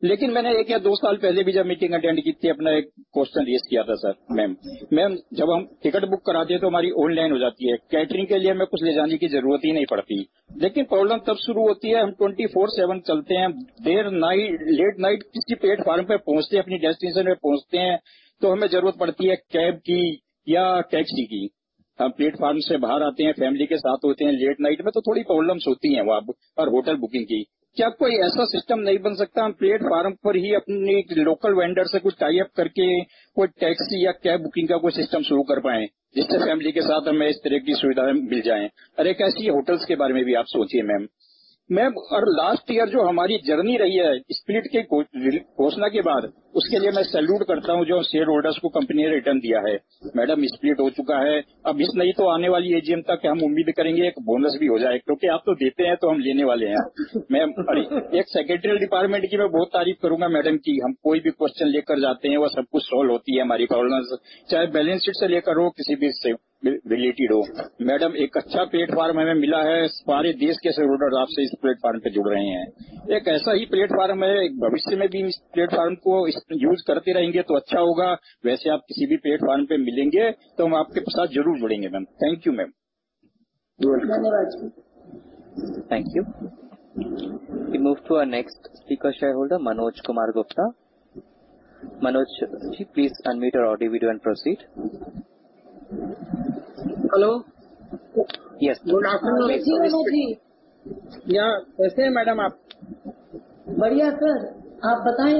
Speaker 11: होते हैं। लेकिन मैंने एक या दो साल पहले भी जब meeting attend की थी, अपना एक question raise किया था। Ma'am, जब हम ticket book कराते हैं तो हमारी online हो जाती है, catering के लिए हमें कुछ ले जाने की जरूरत ही नहीं पड़ती। लेकिन problem तब शुरू होती है, हम 24x7 चलते हैं। देर रात, late night किसी platform पर पहुंचते हैं, अपनी destination पर पहुंचते हैं तो हमें जरूरत पड़ती है cab की या taxi की। हम platform से बाहर आते हैं, family के साथ होते हैं। Late night में तो थोड़ी problems होती हैं वहां पर hotel booking thank you, ma'am।
Speaker 3: Welcome. Thank you.
Speaker 1: We move to our next speaker shareholder Manoj Kumar Gupta. Manoj ji please unmute your audio video and proceed.
Speaker 12: Hello yes.
Speaker 3: मैं ठीक हूं जी।
Speaker 11: हां, कैसे हैं Madam आप?
Speaker 3: बढ़िया sir, आप बताएं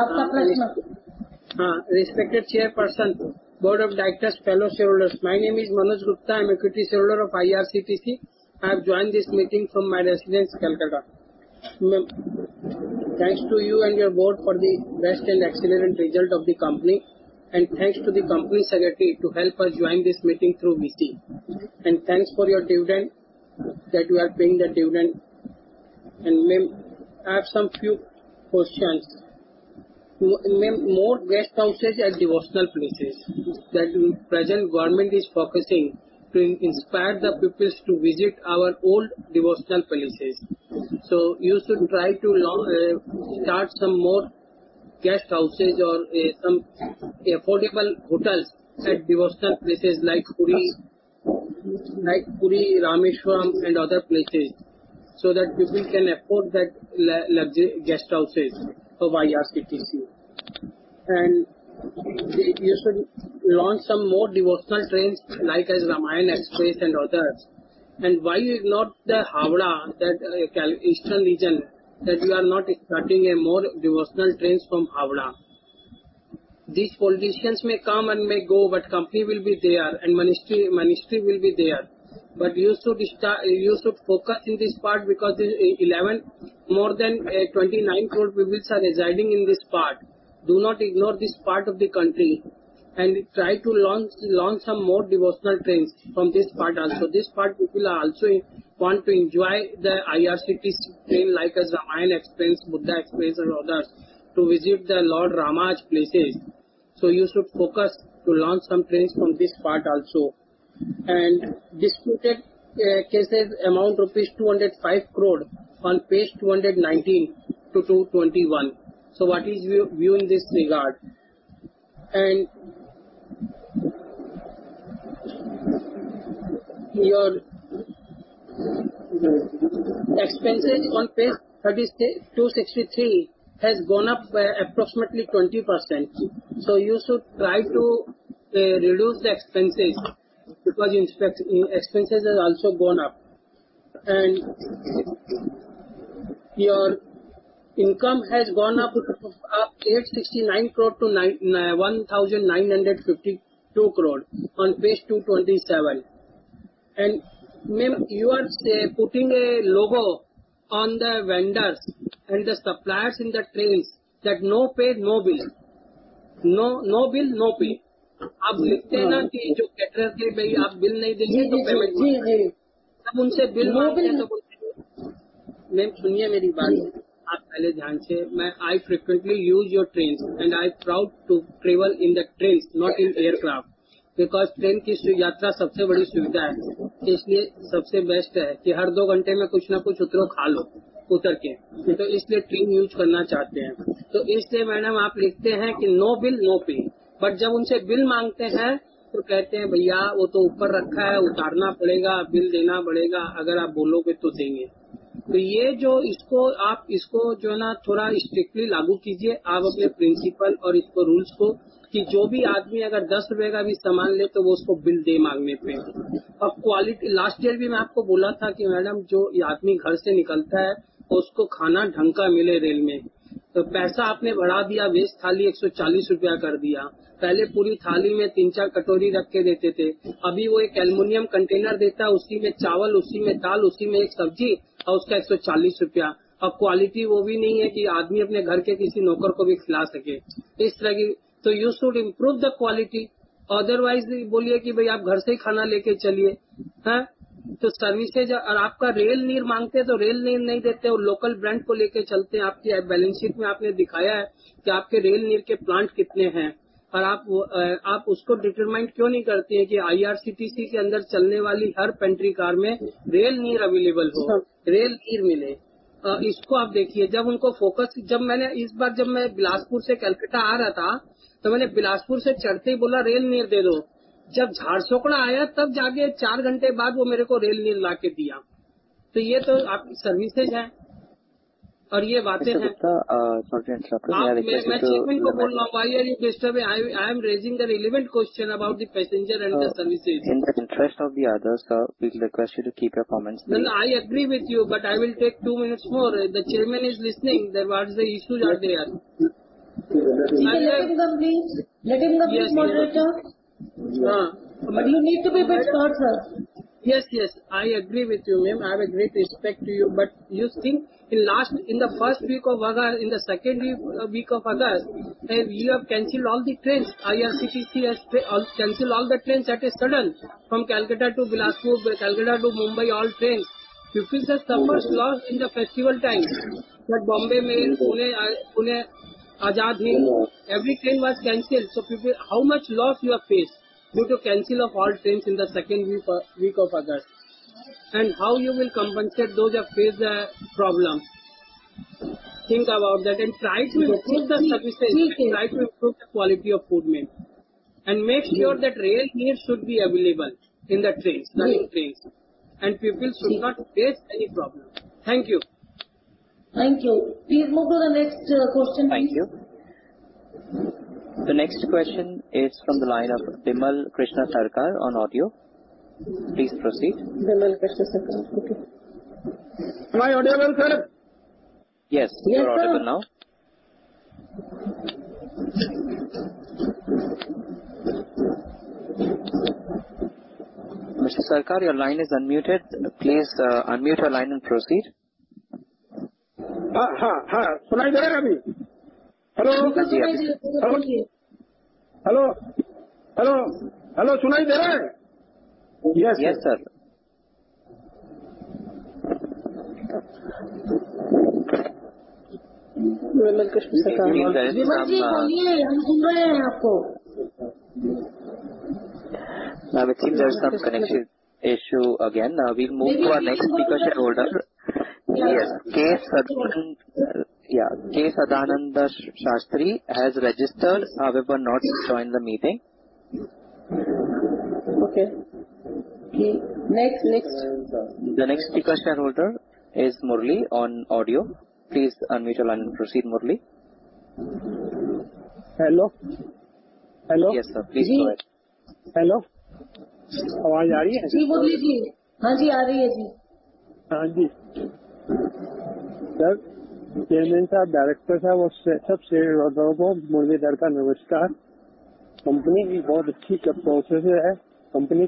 Speaker 3: आपका प्रश्न।
Speaker 12: Respected Chairperson, Board of Directors, fellow shareholders, my name is Manoj Kumar Gupta. I am equity shareholder of IRCTC. I have joined this meeting from my residence Kolkata. Thanks to you and your board for the best and excellent result of the company and thanks to the company secretary to help us join this meeting through VC and thanks for your dividend that you are paying the dividend. Ma'am, I have some few questions. Ma'am, more guest houses at devotional places that present government is focusing to inspire the peoples to visit our old devotional places. You should try to start some more guest houses or some affordable hotels at devotional places like Puri, Rameswaram and other places so that people can afford that luxury guest houses of IRCTC. You should launch some more devotional trains like as Ramayan Express and others. Why is not the Howrah that eastern region that you are not starting a more devotional trains from Howrah. These politicians may come and may go but company will be there and ministry will be there. You should focus in this part because more than 29 crore people are residing in this part. Do not ignore this part of the country and try to launch some more devotional trains from this part also this part people are also want to enjoy the IRCTC train like as Ramayan Express, Buddha Express and others to visit the Lord Rama's places. You should focus to launch some trains from this part also and disputed cases amount rupees 205 crore on pages 219 to 221. What is your view in this regard? Your expenses on page 263 has gone up by approximately 20%. You should try to reduce the expenses because expenses has also gone up and your income has gone up to 869 crore to 1,952 crore on page 227. You are putting a logo on the vendors and the suppliers in the trains that no paid, no bill. No bill, no pay.
Speaker 11: आप लिखते हैं ना कि जो caterer से भाई आप bill नहीं देंगे तब मैं नहीं दूंगा। जब उनसे bill मांगते हैं तो बोलते हैं। Ma'am सुनिए मेरी बात आप पहले ध्यान से। I frequently use your trains and I am proud to travel in the trains not in aircraft because train की यात्रा सबसे बड़ी सुविधा है। इसलिए सबसे best है कि हर दो घंटे में कुछ ना कुछ उठो खा लो उतर के। तो इसलिए train use करना चाहते हैं। तो इसलिए madam आप लिखते हैं कि no bill no pay। जब उनसे bill मांगते हैं तो कहते हैं भैया वो तो ऊपर रखा है उतारना पड़ेगा bill देना पड़ेगा। अगर आप बोलोगे तो देंगे। तो ये जो इसको आप इसको जो है ना थोड़ा strictly लागू कीजिए आप अपने principle और इसको rules को कि जो भी आदमी अगर ₹10 का भी सामान ले तो वो उसको bill दे मांगने पे। अब quality last year भी मैं आपको बोला था कि madam जो आदमी घर से निकलता है उसको खाना ढंग का मिले rail में तो पैसा आपने बढ़ा दिया। veg थाली ₹140 कर दिया। पहले पूरी थाली में तीन चार कटोरी रख के देते थे। अभी वो एक aluminium container देता है। उसी में चावल, उसी में दाल, उसी में एक सब्जी और उसका ₹140। अब quality वो भी नहीं है कि आदमी अपने घर के किसी नौकर को भी खिला सके। इस तरह की to you should improve the quality otherwise बोलिए कि भाई आप घर से ही खाना लेकर चलिए। तो services और आपका Rail Neer मांगते हैं तो Rail Neer नहीं देते और local brand को लेकर चलते हैं। आपकी balance sheet में आपने दिखाया है कि आपके Rail Neer के plant कितने हैं और आप उसको determine क्यों नहीं करते कि IRCTC के अंदर चलने वाली हर pantry car में Rail Neer available हो। Rail Neer मिले इसको आप देखिए जब उनको focus जब मैंने इस बार जब मैं बिलासपुर से कलकत्ता आ रहा था तो मैंने बिलासपुर से चढ़ते ही बोला Rail Neer दे दो। जब झारसुगड़ा आया तब जाके चार घंटे बाद वो मेरे को Rail Neer लाकर दिया। तो ये तो आपकी services हैं और ये बातें हैं।
Speaker 1: Sir, one second, sir.
Speaker 11: मैं Chairman को बोल रहा हूँ. Why are you disturbing? I am raising the relevant question about the passenger and the services.
Speaker 1: In the interest of the others, sir, we request you to keep your comments brief.
Speaker 11: I agree with you. I will take two minutes more. The Chairman is listening that what is the issues are there.
Speaker 4: Let him complete first sir. You need to be bit short sir.
Speaker 11: Yes yes I agree with you ma'am. I have a great respect to you. You think in last in the first week of August, in the second week of August you have canceled all the trains. IRCTC has canceled all the trains that is sudden from Kolkata to Bilaspur, Kolkata to Mumbai all trains. You people suffered loss in the festival time. Like Mumbai Mail, Azad Hind Express every train was canceled. How much loss you have faced due to cancel of all trains in the second week of August and how you will compensate those who faced the problem. Think about that and try to improve the services. Try to improve the quality of food ma'am and make sure that Rail Neer should be available in the trains, running trains and people should not face any problem. Thank you.
Speaker 4: Thank you. Please move to the next question, please.
Speaker 1: Thank you. The next question is from the line of Bimal Krishna Sarkar on audio. Please proceed.
Speaker 4: Bimal Krishna Sarkar. Okay.
Speaker 13: Am I audible sir?
Speaker 1: Yes, you are audible now. Mr. Sarkar, your line is unmuted. Please unmute your line and proceed.
Speaker 13: हां, हां, हां, सुनाई दे रहा है अभी? Hello? Hello? Hello? Hello? Hello? सुनाई दे रहा है?
Speaker 1: Yes, sir.
Speaker 4: Bimal Krishna Sarkar. Bimal जी बोलिए हम सुन रहे हैं आपको।
Speaker 1: I think there is some connection issue again. We will move to our next speaker shareholder. K Sadananda Shastri has registered, however not joined the meeting.
Speaker 4: Okay, next.
Speaker 1: The next speaker shareholder is Murali on audio. Please unmute your line and proceed Murali.
Speaker 14: Hello.
Speaker 1: Yes sir please go ahead.
Speaker 14: Hello, आवाज़ आ रही है?
Speaker 4: जी, Murali जी, हाँ जी, आ रही है जी।
Speaker 14: हाँ जी। Sir, Chairman साहब, Director साहब और सब Shareholders को Muralidhar का नमस्कार। Company की बहुत अच्छी processes हैं। Company का बहुत अच्छा काम चल रहा है। Throne बहुत अच्छी रहती है। हर किसी में आती नहीं है। जितना नया काम आ जाता है। Company के Shareholders का आपने ख्याल रखा है। Dividend अच्छा दे रहे हो। Company अच्छी तरक्की करेगी, भगवान करें। ऐसी ही आप मेहनत और हमारी हम आपके साथ रहेंगे तो हमारी company बहुत तरक्की करेगी। हमारे shareholder का थोड़ा सा ख्याल रखा करो। shareholder को भी थोड़ा सा रेल में घुमाने का proposal बनाओ, थोड़ा सा जो यात्रा कर सके और एक यात्रा घूम सके। हमारी तरफ से shareholder को बहुत बहुत बधाई हो। धन्यवाद। जी धन्यवाद जी। Murali ji.
Speaker 3: Thank you.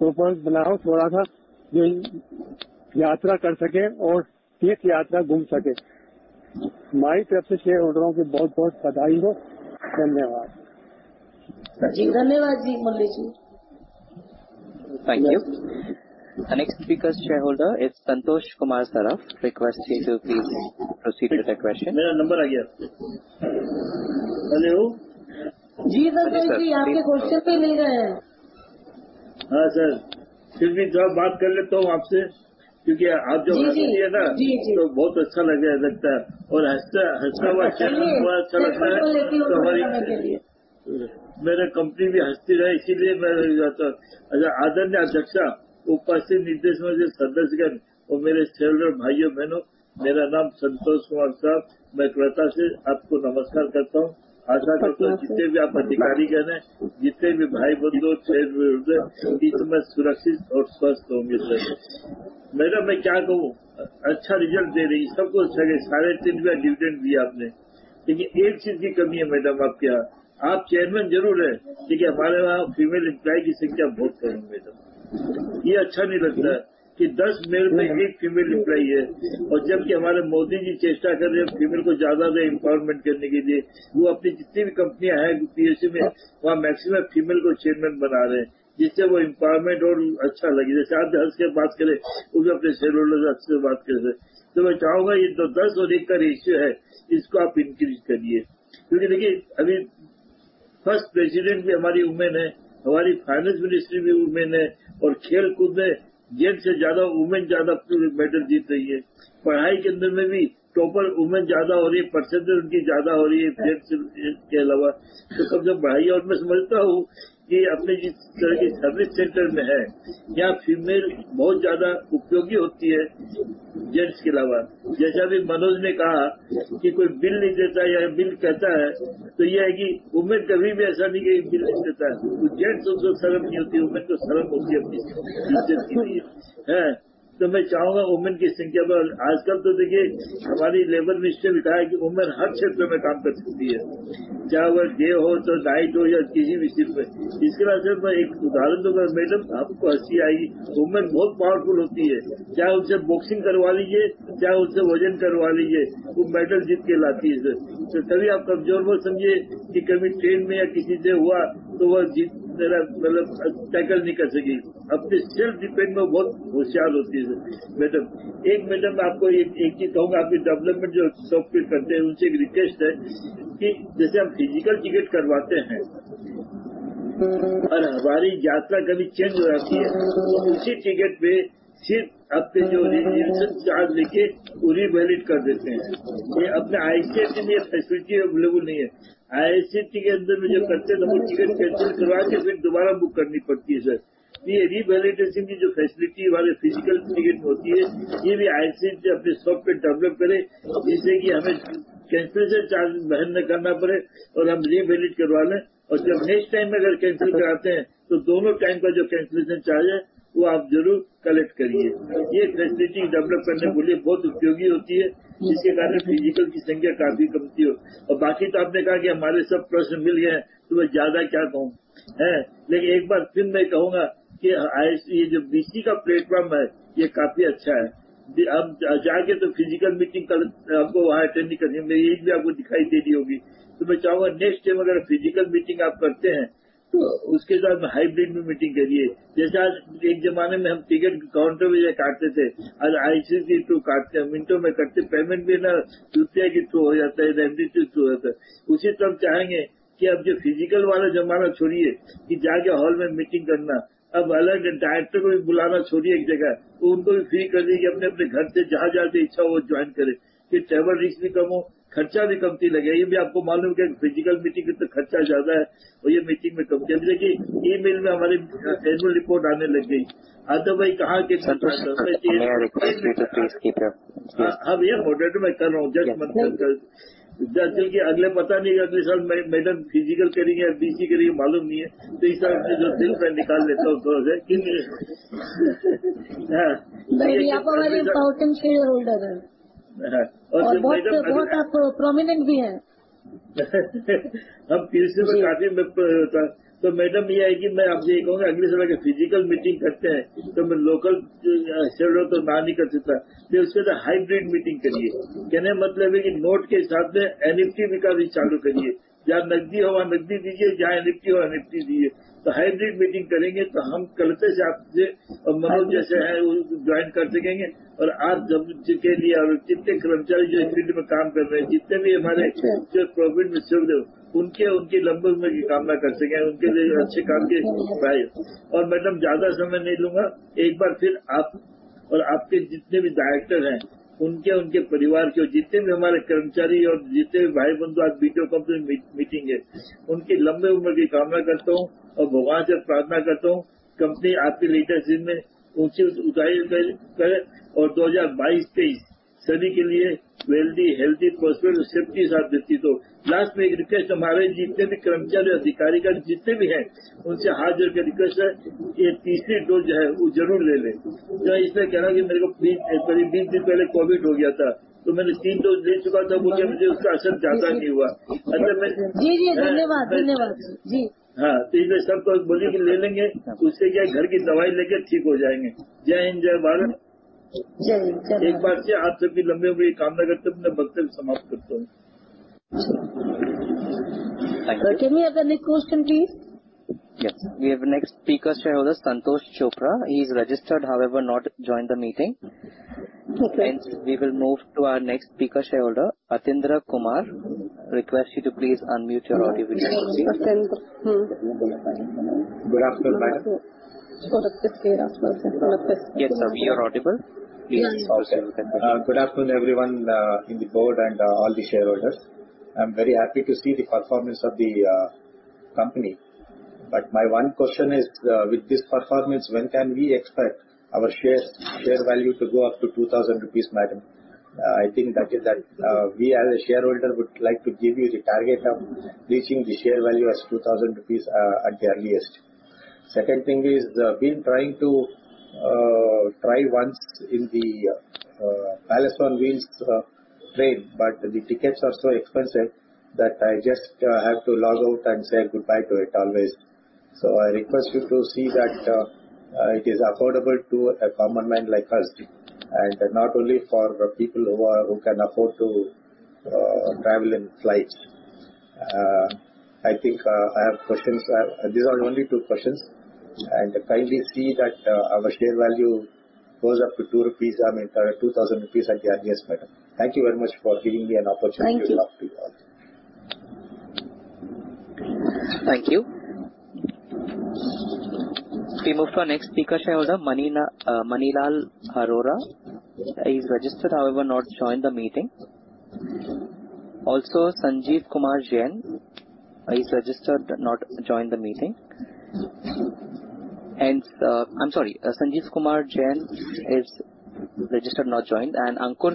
Speaker 3: Next speaker shareholder is Santosh Kumar Saraf. Request you to please proceed with the question.
Speaker 15: मेरा number आ गया। Hello। physical meeting का तो खर्चा ज्यादा है और यह meeting में कम। देखिए email में हमारी annual report आने लग गई। आज तो भाई कहाँ कि।
Speaker 10: संतोष सराफ, मेरा request है कि please की तरफ।
Speaker 15: अब यह order में कर रहा हूं just because कि अगले पता नहीं अगले साल madam physical करेंगे या VC करेंगे मालूम नहीं है। तो इस साल में जो time निकाल लेता हूं थोड़ा सा।
Speaker 3: नहीं नहीं, आप हमारे potential shareholder हैं और बहुत बहुत आप prominent भी हैं।
Speaker 15: अब पिछले काफी time तो madam यह है कि मैं आपसे यह कहूंगा अगले साल अगर physical meeting करते हैं तो मैं local shareholder तो ना नहीं कर सकता। फिर उसके साथ hybrid meeting करिए। कहने का मतलब है कि note के साथ में NEFT भी चालू करिए। जहां नकदी हो वहां नकदी दीजिए, जहां NEFT हो NEFT दीजिए। तो hybrid meeting करेंगे तो हम कल से साथ से और मनोज जैसे हैं वो join कर सकेंगे। और आप सबके लिए और जितने कर्मचारी जो इस field में काम कर रहे हैं, जितने भी हमारे province में चल रहे हो उनके उनकी लंबी उम्र की कामना कर सकेंगे। उनके लिए अच्छे काम के और madam ज्यादा समय नहीं लूंगा। एक बार फिर आप और आपके जितने भी director हैं उनके उनके परिवार के और जितने भी हमारे कर्मचारी और जितने भाई बंधु आज video conference meeting है उनकी लंबी उम्र की कामना करता हूं और भगवान से प्रार्थना करता हूं company आपकी leadership में ऊंची ऊंचाई करें और 2022-23।
Speaker 9: सभी के लिए healthy, prosperous safety साथ देती हो। last में एक request हमारे जितने भी कर्मचारी अधिकारीगण जितने भी हैं उनसे हाथ जोड़ के request है यह तीसरी dose जो है वो जरूर ले लें। मैंने कहा कि मेरे को करीब बीस दिन पहले COVID हो गया था तो मैंने तीन dose ले चुका था। मुझे उसका असर ज्यादा नहीं हुआ।
Speaker 4: जी, धन्यवाद। धन्यवाद। जी
Speaker 9: हां तो इसने सबको बोली कि ले लेंगे तो उससे क्या है घर की दवाई लेकर ठीक हो जाएंगे। जय हिंद, जय भारत।
Speaker 4: जय हिंद, जय भारत
Speaker 9: एक बार फिर आप सभी लंबे उम्र की कामना करते हुए मैं वक्त को समाप्त करता हूं।
Speaker 4: Tell me your next question, please.
Speaker 1: Yes, we have next speaker shareholder Santosh Chopra. He is registered however not join the meeting hence we will move to our next speaker shareholder Atindra Kumar request you to please unmute your audio.
Speaker 9: Good afternoon madam.
Speaker 1: Yes, sir, we are audible.
Speaker 9: Good afternoon everyone in the board and all the shareholders. I am very happy to see the performance of the company. My one question is with this performance when can we expect our share value to go up to 2,000 rupees madam. I think that we as a shareholder would like to give you the target of reaching the share value as 2,000 rupees at the earliest. Second thing, I've been trying once in the Palace on Wheels train. The tickets are so expensive that I just have to log out and say goodbye to it always. I request you to see that it is affordable to a common man like us and not only for people who can afford to travel in flight. I think I have questions. These are only two questions and kindly see that our share value goes up to 2 rupees I mean 2000 rupees at the earliest madam. Thank you very much for giving me an opportunity to talk to you all.
Speaker 1: Thank you. We move to our next speaker, shareholder Manilal Arora. He is registered, however not joined the meeting. Also Sanjay Kumar Jain. He is registered, however not joined the meeting. Ankur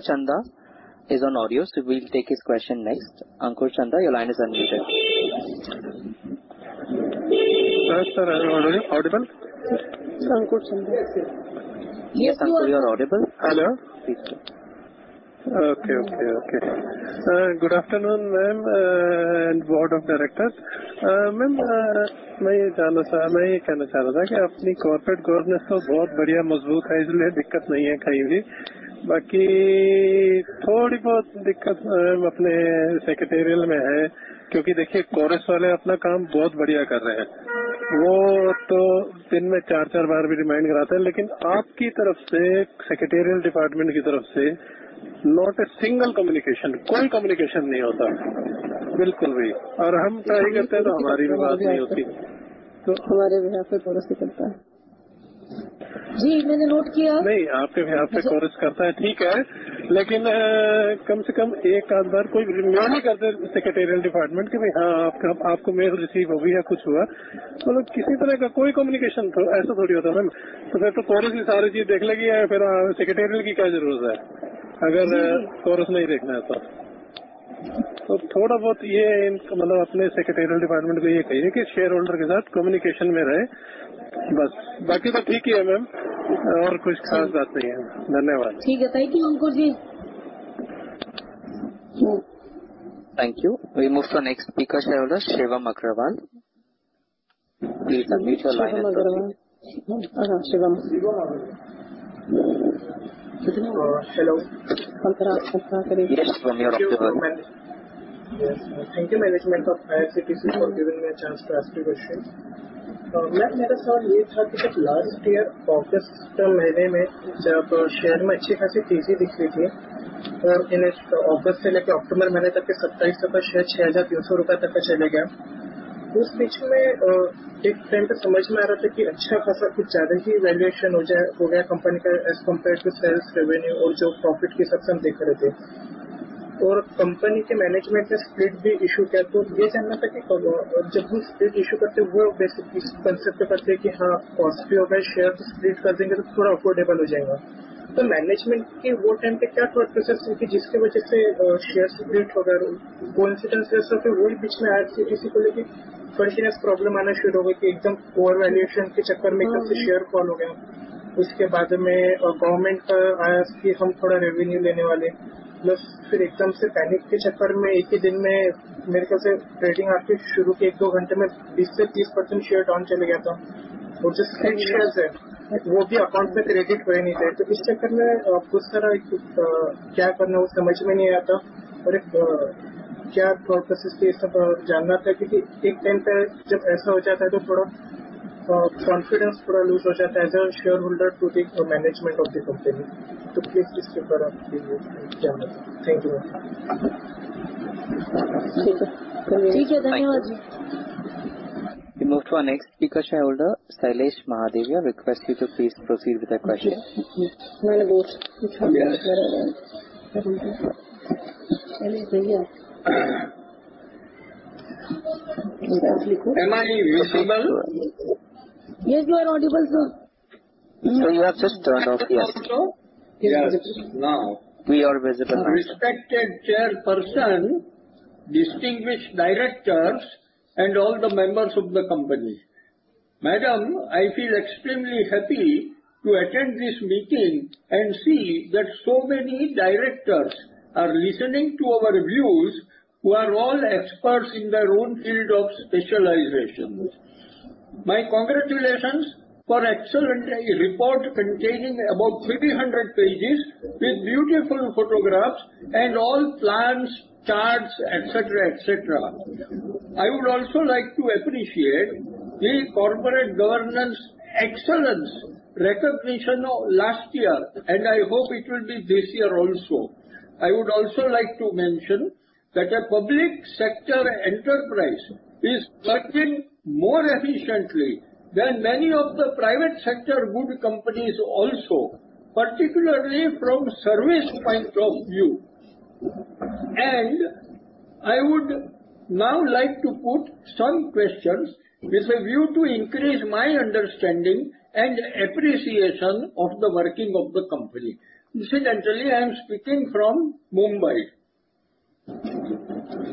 Speaker 1: Chanda is on audio. We will take his question next. Ankur Chanda, your line is unmuted.
Speaker 9: Sir, are you audible?
Speaker 4: Ankur Chanda sir.
Speaker 1: Ankur, you are audible.
Speaker 9: Good afternoon, ma'am and board of directors. मैं यह कहना चाह रहा था कि अपनी corporate governance तो बहुत बढ़िया मजबूत है। इसलिए दिक्कत नहीं है कहीं भी। बाकी थोड़ी बहुत दिक्कत ma'am अपने secretarial में है क्योंकि देखिए KFin वाले अपना काम बहुत बढ़िया कर रहे हैं। वो तो दिन में चार चार बार भी remind कराते हैं। लेकिन आपकी तरफ से secretarial department की तरफ से not a single communication, कोई communication नहीं होता। बिल्कुल भी। और हम try करते हैं तो हमारी भी बात नहीं होती।
Speaker 4: हमारे यहां से Chorus नहीं करता है। जी, मैंने note किया।
Speaker 9: नहीं, आपके यहां से Chorus करता है ठीक है, लेकिन कम से कम एक आध बार कोई remind ही कर दे secretarial department कि हाँ आपका आपको mail receive हो गया, कुछ हुआ मतलब किसी तरह का कोई communication। ऐसा थोड़ी होता है ma'am। फिर तो Chorus ही सारी चीज देख लेगी। फिर secretarial की क्या जरूरत है। अगर Chorus नहीं देखना है तो। तो थोड़ा बहुत ये मतलब अपने secretarial department को ये कहिए कि shareholder के साथ communication में रहे। बस। बाकी तो ठीक ही है ma'am और कुछ खास बात नहीं है। धन्यवाद।
Speaker 4: ठीक है। Thank you, Ankur ji.
Speaker 1: Thank you. We move to our next speaker shareholder Shivam Agarwal. Please unmute your line and proceed.
Speaker 9: Hello.
Speaker 4: Yes, Shivam Agarwal.
Speaker 1: Yes, you are audible.
Speaker 9: Thank you management of IRCTC for giving me a chance to ask you question. Ma'am मेरा सवाल यह था कि last year August के महीने में जब share में अच्छी खासी तेजी दिख रही थी और August से लेकर October महीने तक के ₹2700 share ₹6300 तक चला गया। उस बीच में एक time पर समझ में आ रहा था कि अच्छा खासा कुछ ज्यादा ही valuation हो जाए, हो गया company का as compared to sales revenue और जो profit के सब हम देख रहे थे और company के management से split भी issue किया तो यह जानना था कि जब हम split issue करते हैं वो basically concept के ऊपर से कि हाँ possible है share split कर देंगे तो थोड़ा affordable हो जाएगा। तो management की वो time पर क्या thought process थी कि जिसके वजह से shares split हो गए। Coincidence ऐसा था कि वही बीच में IRCTC को लेकर financial problem आना शुरू हो गई कि एकदम over valuation के चक्कर में काफी share fall हो गया। उसके बाद में government का आया कि हम थोड़ा revenue लेने वाले हैं plus फिर एकदम से panic के चक्कर में एक ही दिन में मेरे ख्याल से trading hour के शुरू के एक दो घंटे में 20 से 30% share down चला गया था। वो जो split shares है वो भी account में credit कर ही नहीं रहे। तो इस चक्कर में कुछ तरह का क्या करना है वो समझ में नहीं आता। क्या purposes से ये सब जानना था कि एक time पर जब ऐसा हो जाता है तो थोड़ा confidence थोड़ा loose हो जाता है as a shareholder to the management of the company. Please is par aap tell karen. Thank you ma'am.
Speaker 4: ठीक है। ठीक है, धन्यवाद जी।
Speaker 1: We move to our next speaker, shareholder Shailesh Mahadevia. Request you to please proceed with your question.
Speaker 4: Madam बोल।
Speaker 16: Am I visible?
Speaker 2: Yes, you are audible, sir.
Speaker 4: You have just turned off your.
Speaker 2: Yes. Yes, now.
Speaker 4: We are visible now.
Speaker 17: Respected chairperson, distinguished directors, and all the members of the company. Madam, I feel extremely happy to attend this meeting and see that so many directors are listening to our views, who are all experts in their own field of specialization. My congratulations for excellent report containing about 300 pages with beautiful photographs and all plans, charts, et cetera, et cetera. I would also like to appreciate the corporate governance excellence recognition of last year, and I hope it will be this year also. I would also like to mention that a public sector enterprise is working more efficiently than many of the private sector good companies also, particularly from service point of view. I would now like to put some questions with a view to increase my understanding and appreciation of the working of the company. Incidentally, I am speaking from Mumbai.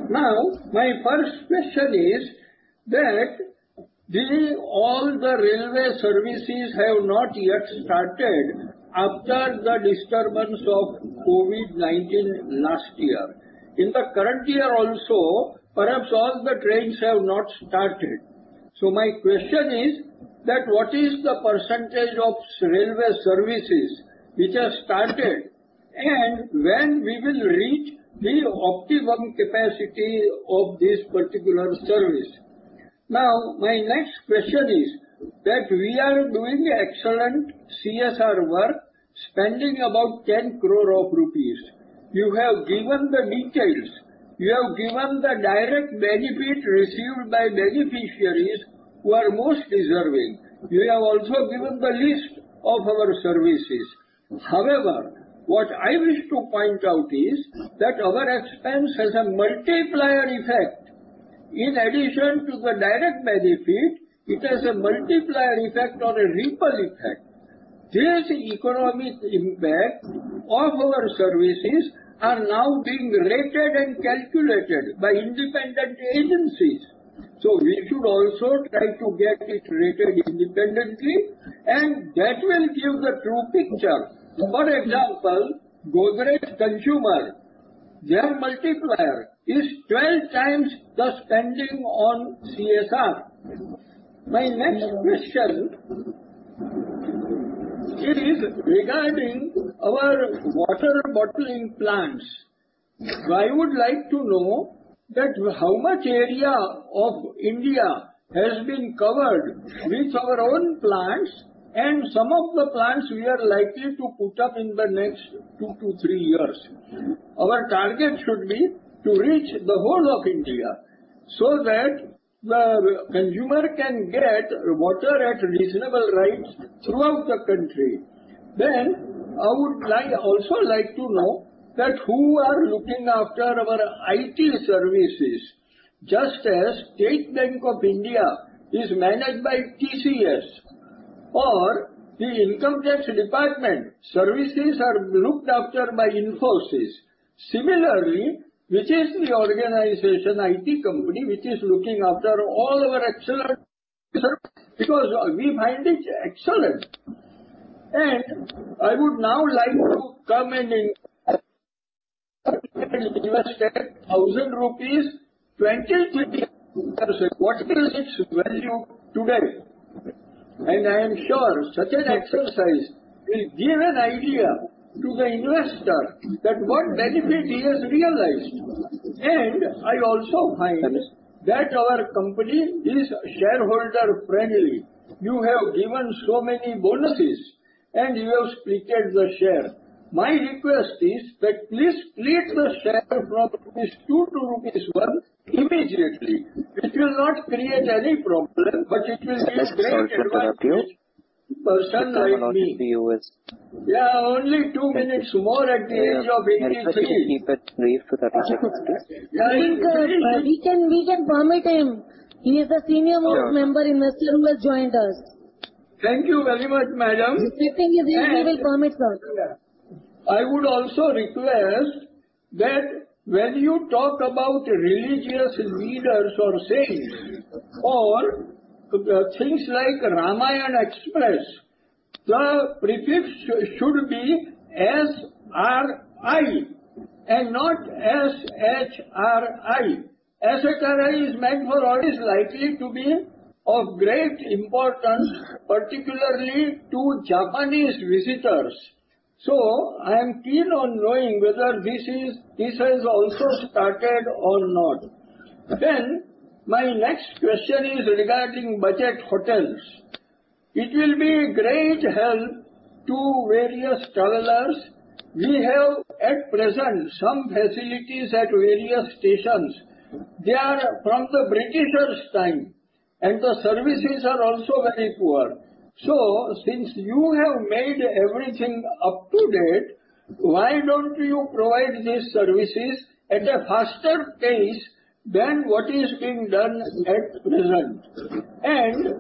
Speaker 16: Now, my first question is that all the railway services have not yet started after the disturbance of COVID-19 last year. In the current year also, perhaps all the trains have not started. My question is that what is the percentage of railway services which have started, and when we will reach the optimum capacity of this particular service? Now, my next question is that we are doing excellent CSR work, spending about 10 crore rupees. You have given the details. You have given the direct benefit received by beneficiaries who are most deserving. You have also given the list of our services. However, what I wish to point out is that our expense has a multiplier effect. In addition to the direct benefit, it has a multiplier effect or a ripple effect. This economic impact of our services are now being rated and calculated by independent agencies, so we should also try to get it rated independently, and that will give the true picture. For example, Godrej Consumer Products Limited, their multiplier is 12 times the spending on CSR. My next question, it is regarding our water bottling plants. I would like to know that how much area of India has been covered with our own plants and some of the plants we are likely to put up in the next 2-3 years. Our target should be to reach the whole of India so that the consumer can get water at reasonable rates throughout the country. I would also like to know who are looking after our IT services. Just as State Bank of India is managed by TCS, or the Income Tax Department services are looked after by Infosys. Similarly, which is the organization, IT company, which is looking after all our excellent service? Because we find it excellent. I would now like to come and invest 1,000 rupees, 20%-30%. What is its value today? I am sure such an exercise will give an idea to the investor that what benefit he has realized. I also find that our company is shareholder-friendly. You have given so many bonuses, and you have splitted the share. My request is that please split the share from rupees 2 to rupees 1 immediately. It will not create any problem, but it will be great advantage.
Speaker 4: Sir, sorry to interrupt you.
Speaker 16: Person like me.
Speaker 4: The time allotted to you is.
Speaker 16: Yeah, only 2 minutes more at the age of 86.
Speaker 4: Yeah. I think we should keep it brief.
Speaker 3: I think, we can permit him. He is a senior most member investor who has joined us.
Speaker 16: Thank you very much, madam.
Speaker 3: He is sitting. I think we will permit, sir.
Speaker 16: I would also request that when you talk about religious leaders or saints or things like Ramayana Express, the prefix should be Sri and not Shri. Sri is likely to be of great importance, particularly to Japanese visitors. I am keen on knowing whether this has also started or not. My next question is regarding budget hotels. It will be great help to various travelers. We have at present some facilities at various stations. They are from the Britishers' time. And the services are also very poor. Since you have made everything up to date, why don't you provide these services at a faster pace than what is being done at present?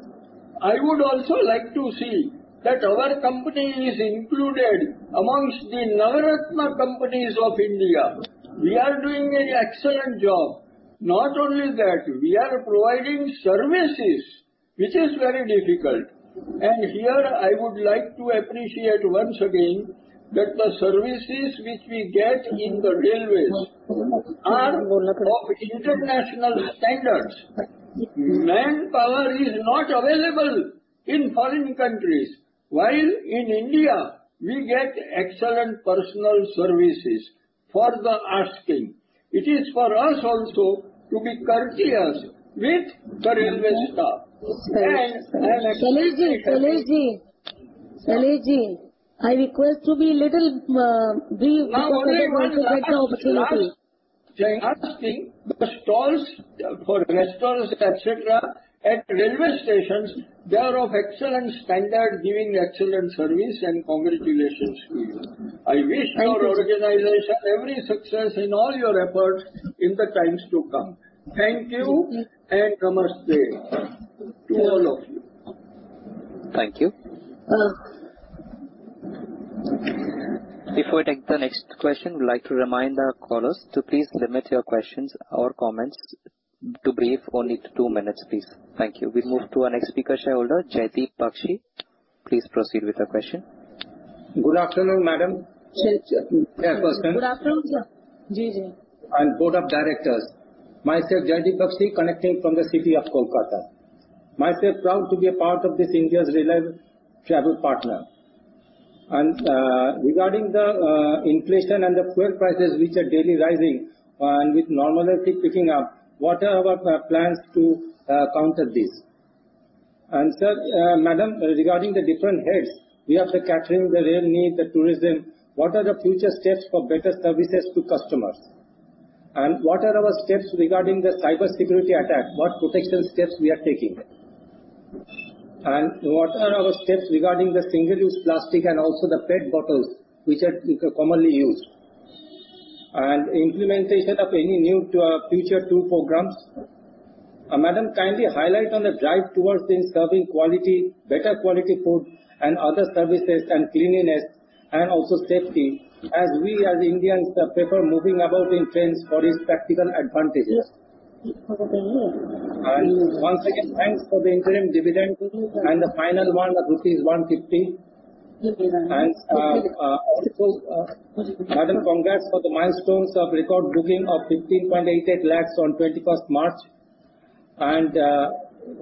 Speaker 16: I would also like to see that our company is included amongst the Navratna companies of India. We are doing an excellent job. Not only that, we are providing services, which is very difficult. Here I would like to appreciate once again that the services which we get in the railways are of international standards. Manpower is not available in foreign countries, while in India we get excellent personal services for the asking. It is for us also to be courteous with the railway staff.
Speaker 3: Shailesh ji, I request you to be little brief because we want to get the opportunity.
Speaker 16: The last thing, the stalls for restaurants, et cetera, at railway stations, they are of excellent standard, giving excellent service, and congratulations to you.
Speaker 3: Thank you, sir.
Speaker 16: I wish your organization every success in all your efforts in the times to come. Thank you and namaste to all of you.
Speaker 1: Thank you.
Speaker 3: Uh.
Speaker 1: Before we take the next question, I would like to remind our callers to please limit your questions or comments to brief only to two minutes, please. Thank you. We move to our next speaker, Shareholder Jaideep Bakshi. Please proceed with your question.
Speaker 18: Good afternoon, madam.
Speaker 3: Good afternoon, sir.
Speaker 18: Board of directors. Myself, Jaideep Bakshi, connecting from the city of Kolkata. Myself proud to be a part of this India's reliable travel partner. Regarding the inflation and the fuel prices which are daily rising, and with normality picking up, what are our plans to counter this? Sir, madam, regarding the different heads, we have the catering, the Rail Neer, the tourism. What are the future steps for better services to customers? What are our steps regarding the cybersecurity attack? What protection steps we are taking? What are our steps regarding the single-use plastic and also the PET bottles which are commonly used? Implementation of any new to future tool programs. Madam, kindly highlight on the drive towards things serving quality, better quality food and other services and cleanliness and also safety, as we as Indians prefer moving about in trains for its practical advantages. Once again, thanks for the interim dividend and the final one of rupees 150. Madam, congrats for the milestones of record booking of 15.88 lakhs on 21st March.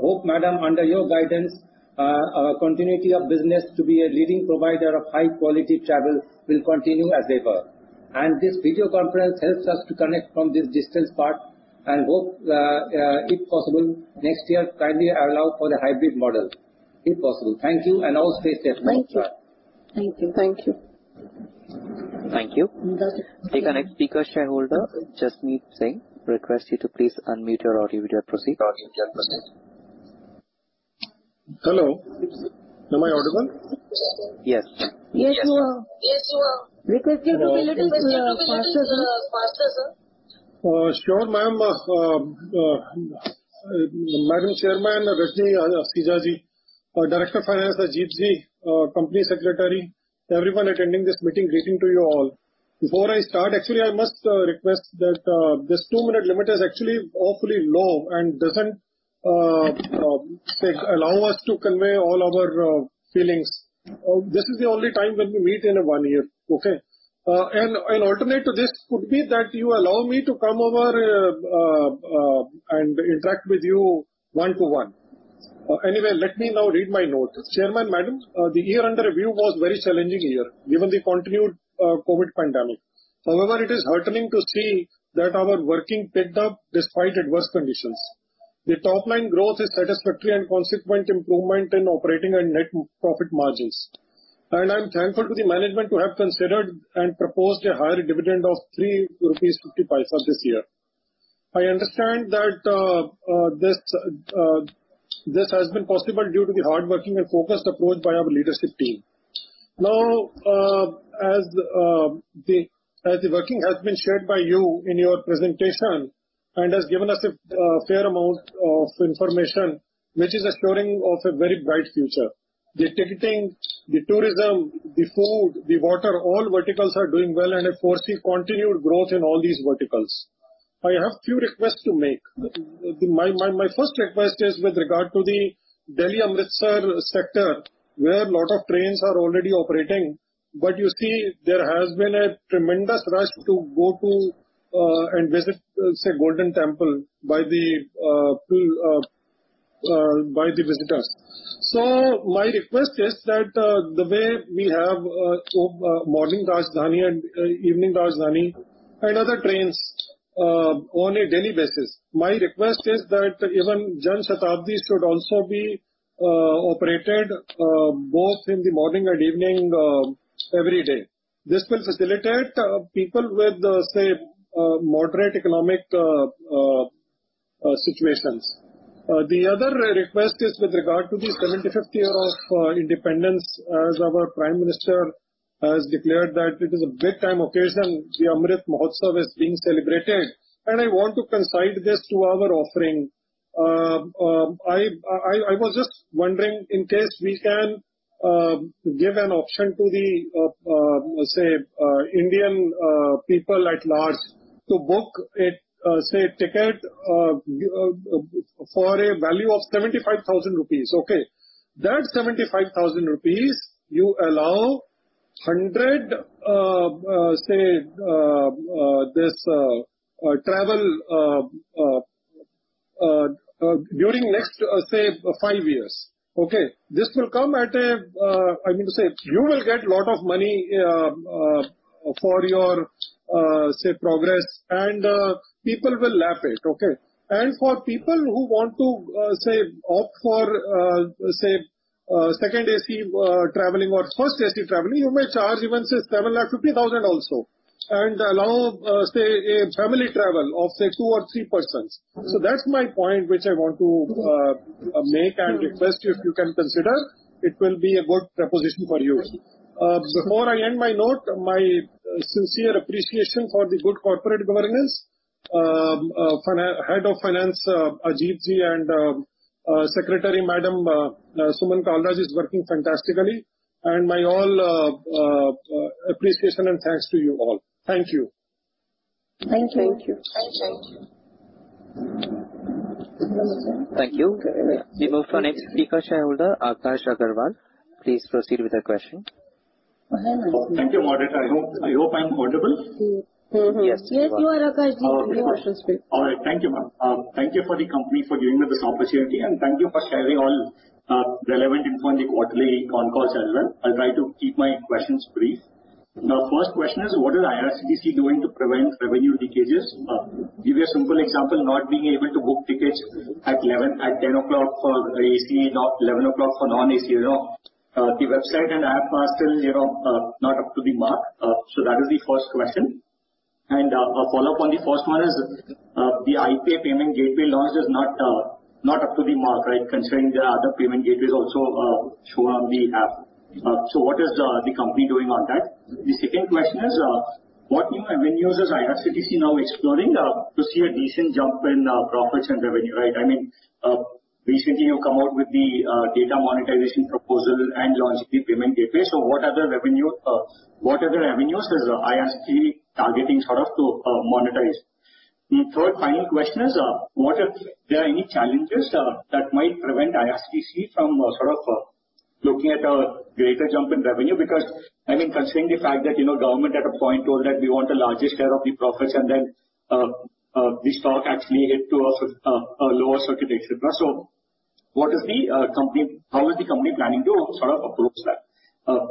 Speaker 18: Hope, madam, under your guidance, our continuity of business to be a leading provider of high-quality travel will continue as ever. This video conference helps us to connect from this distance part. Hope, if possible, next year, kindly allow for the hybrid model, if possible. Thank you and all stay safe.
Speaker 3: Thank you. Thank you.
Speaker 1: Thank you. Take our next speaker, shareholder Jasmeet Singh. Request you to please unmute your audio. Proceed.
Speaker 19: Hello, am I audible?
Speaker 1: Yes.
Speaker 3: Yes, you are. Request you to be little faster, sir.
Speaker 19: Sure, ma'am. Madam Chairman, Rajni Hasija, Director of Finance, Ajit Kumar, Company Secretary, everyone attending this meeting, greetings to you all. Before I start, actually, I must request that this two-minute limit is actually awfully low and doesn't allow us to convey all our feelings. This is the only time when we meet in one year. Okay? An alternate to this could be that you allow me to come over and interact with you one-to-one. Anyway, let me now read my notes. Chairman, madam, the year under review was a very challenging year, given the continued COVID pandemic. However, it is heartening to see that our working picked up despite adverse conditions. The top line growth is satisfactory and consequent improvement in operating and net profit margins. I'm thankful to the management to have considered and proposed a higher dividend of 3.50 rupees this year. I understand that this has been possible due to the hard working and focused approach by our leadership team. Now, as the working has been shared by you in your presentation and has given us a fair amount of information, which is assuring of a very bright future. The ticketing, the tourism, the food, the water, all verticals are doing well and I foresee continued growth in all these verticals. I have few requests to make. My first request is with regard to the Delhi-Amritsar sector, where a lot of trains are already operating. You see, there has been a tremendous rush to go to and visit, say, Golden Temple by the visitors. My request is that the way we have morning Rajdhani and evening Rajdhani and other trains on a daily basis. My request is that even Jan Shatabdi should also be operated both in the morning and evening every day. This will facilitate people with say moderate economic situations. The other request is with regard to the seventy-fifth year of independence, as our Prime Minister has declared that it is a big time occasion. The Amrit Mahotsav is being celebrated, and I want to consign this to our offering. I was just wondering in case we can give an option to the Indian people at large to book a ticket for a value of 75,000 rupees, okay. That 75,000 rupees, you allow 100 this travel during next five years. Okay. This will come at a, I mean to say you will get lot of money for your progress, and people will love it. Okay. For people who want to opt for second AC traveling or first AC traveling, you may charge even 7.5 lakh also. Allow a family travel of two or three persons. That's my point, which I want to make and request if you can consider. It will be a good proposition for you. Before I end my note, my sincere appreciation for the good corporate governance. Head of finance, Ajit Kumar and secretary, Madam Suman Kalra is working fantastically. All my appreciation and thanks to you all. Thank you.
Speaker 4: Thank you.
Speaker 1: Thank you.
Speaker 4: Thanks.
Speaker 1: Thank you. Thank you. We move to our next speaker shareholder, Akash Agarwal. Please proceed with your question.
Speaker 4: Oh, hello.
Speaker 20: Thank you, moderator. I hope I'm audible.
Speaker 4: Mm-hmm.
Speaker 1: Yes, you are.
Speaker 4: Yes, you are, Akash Ji. Your question's clear.
Speaker 20: All right. Thank you, ma'am. Thank you for the company for giving me this opportunity, and thank you for sharing all relevant info on the quarterly con calls as well. I'll try to keep my questions brief. The first question is: What is IRCTC doing to prevent revenue leakages? Give you a simple example, not being able to book tickets at ten o'clock for AC, not eleven o'clock for non-AC. You know, the website and app are still, you know, not up to the mark. That is the first question. A follow-up on the first one is, the UPI payment gateway launch is not up to the mark, right? Concerning the other payment gateways also shown on the app. What is the company doing on that? The second question is, what new avenues is IRCTC now exploring, to see a decent jump in, profits and revenue, right? I mean, recently you've come out with the, data monetization proposal and launched the payment gateway. What other avenues is IRCTC targeting sort of to, monetize? The third final question is, are there any challenges, that might prevent IRCTC from, sort of, looking at a greater jump in revenue? Because, I mean, considering the fact that, you know, government at a point told that we want the largest share of the profits and then, the stock actually hit a, lower circuit, et cetera. What is the, company. How is the company planning to sort of approach that?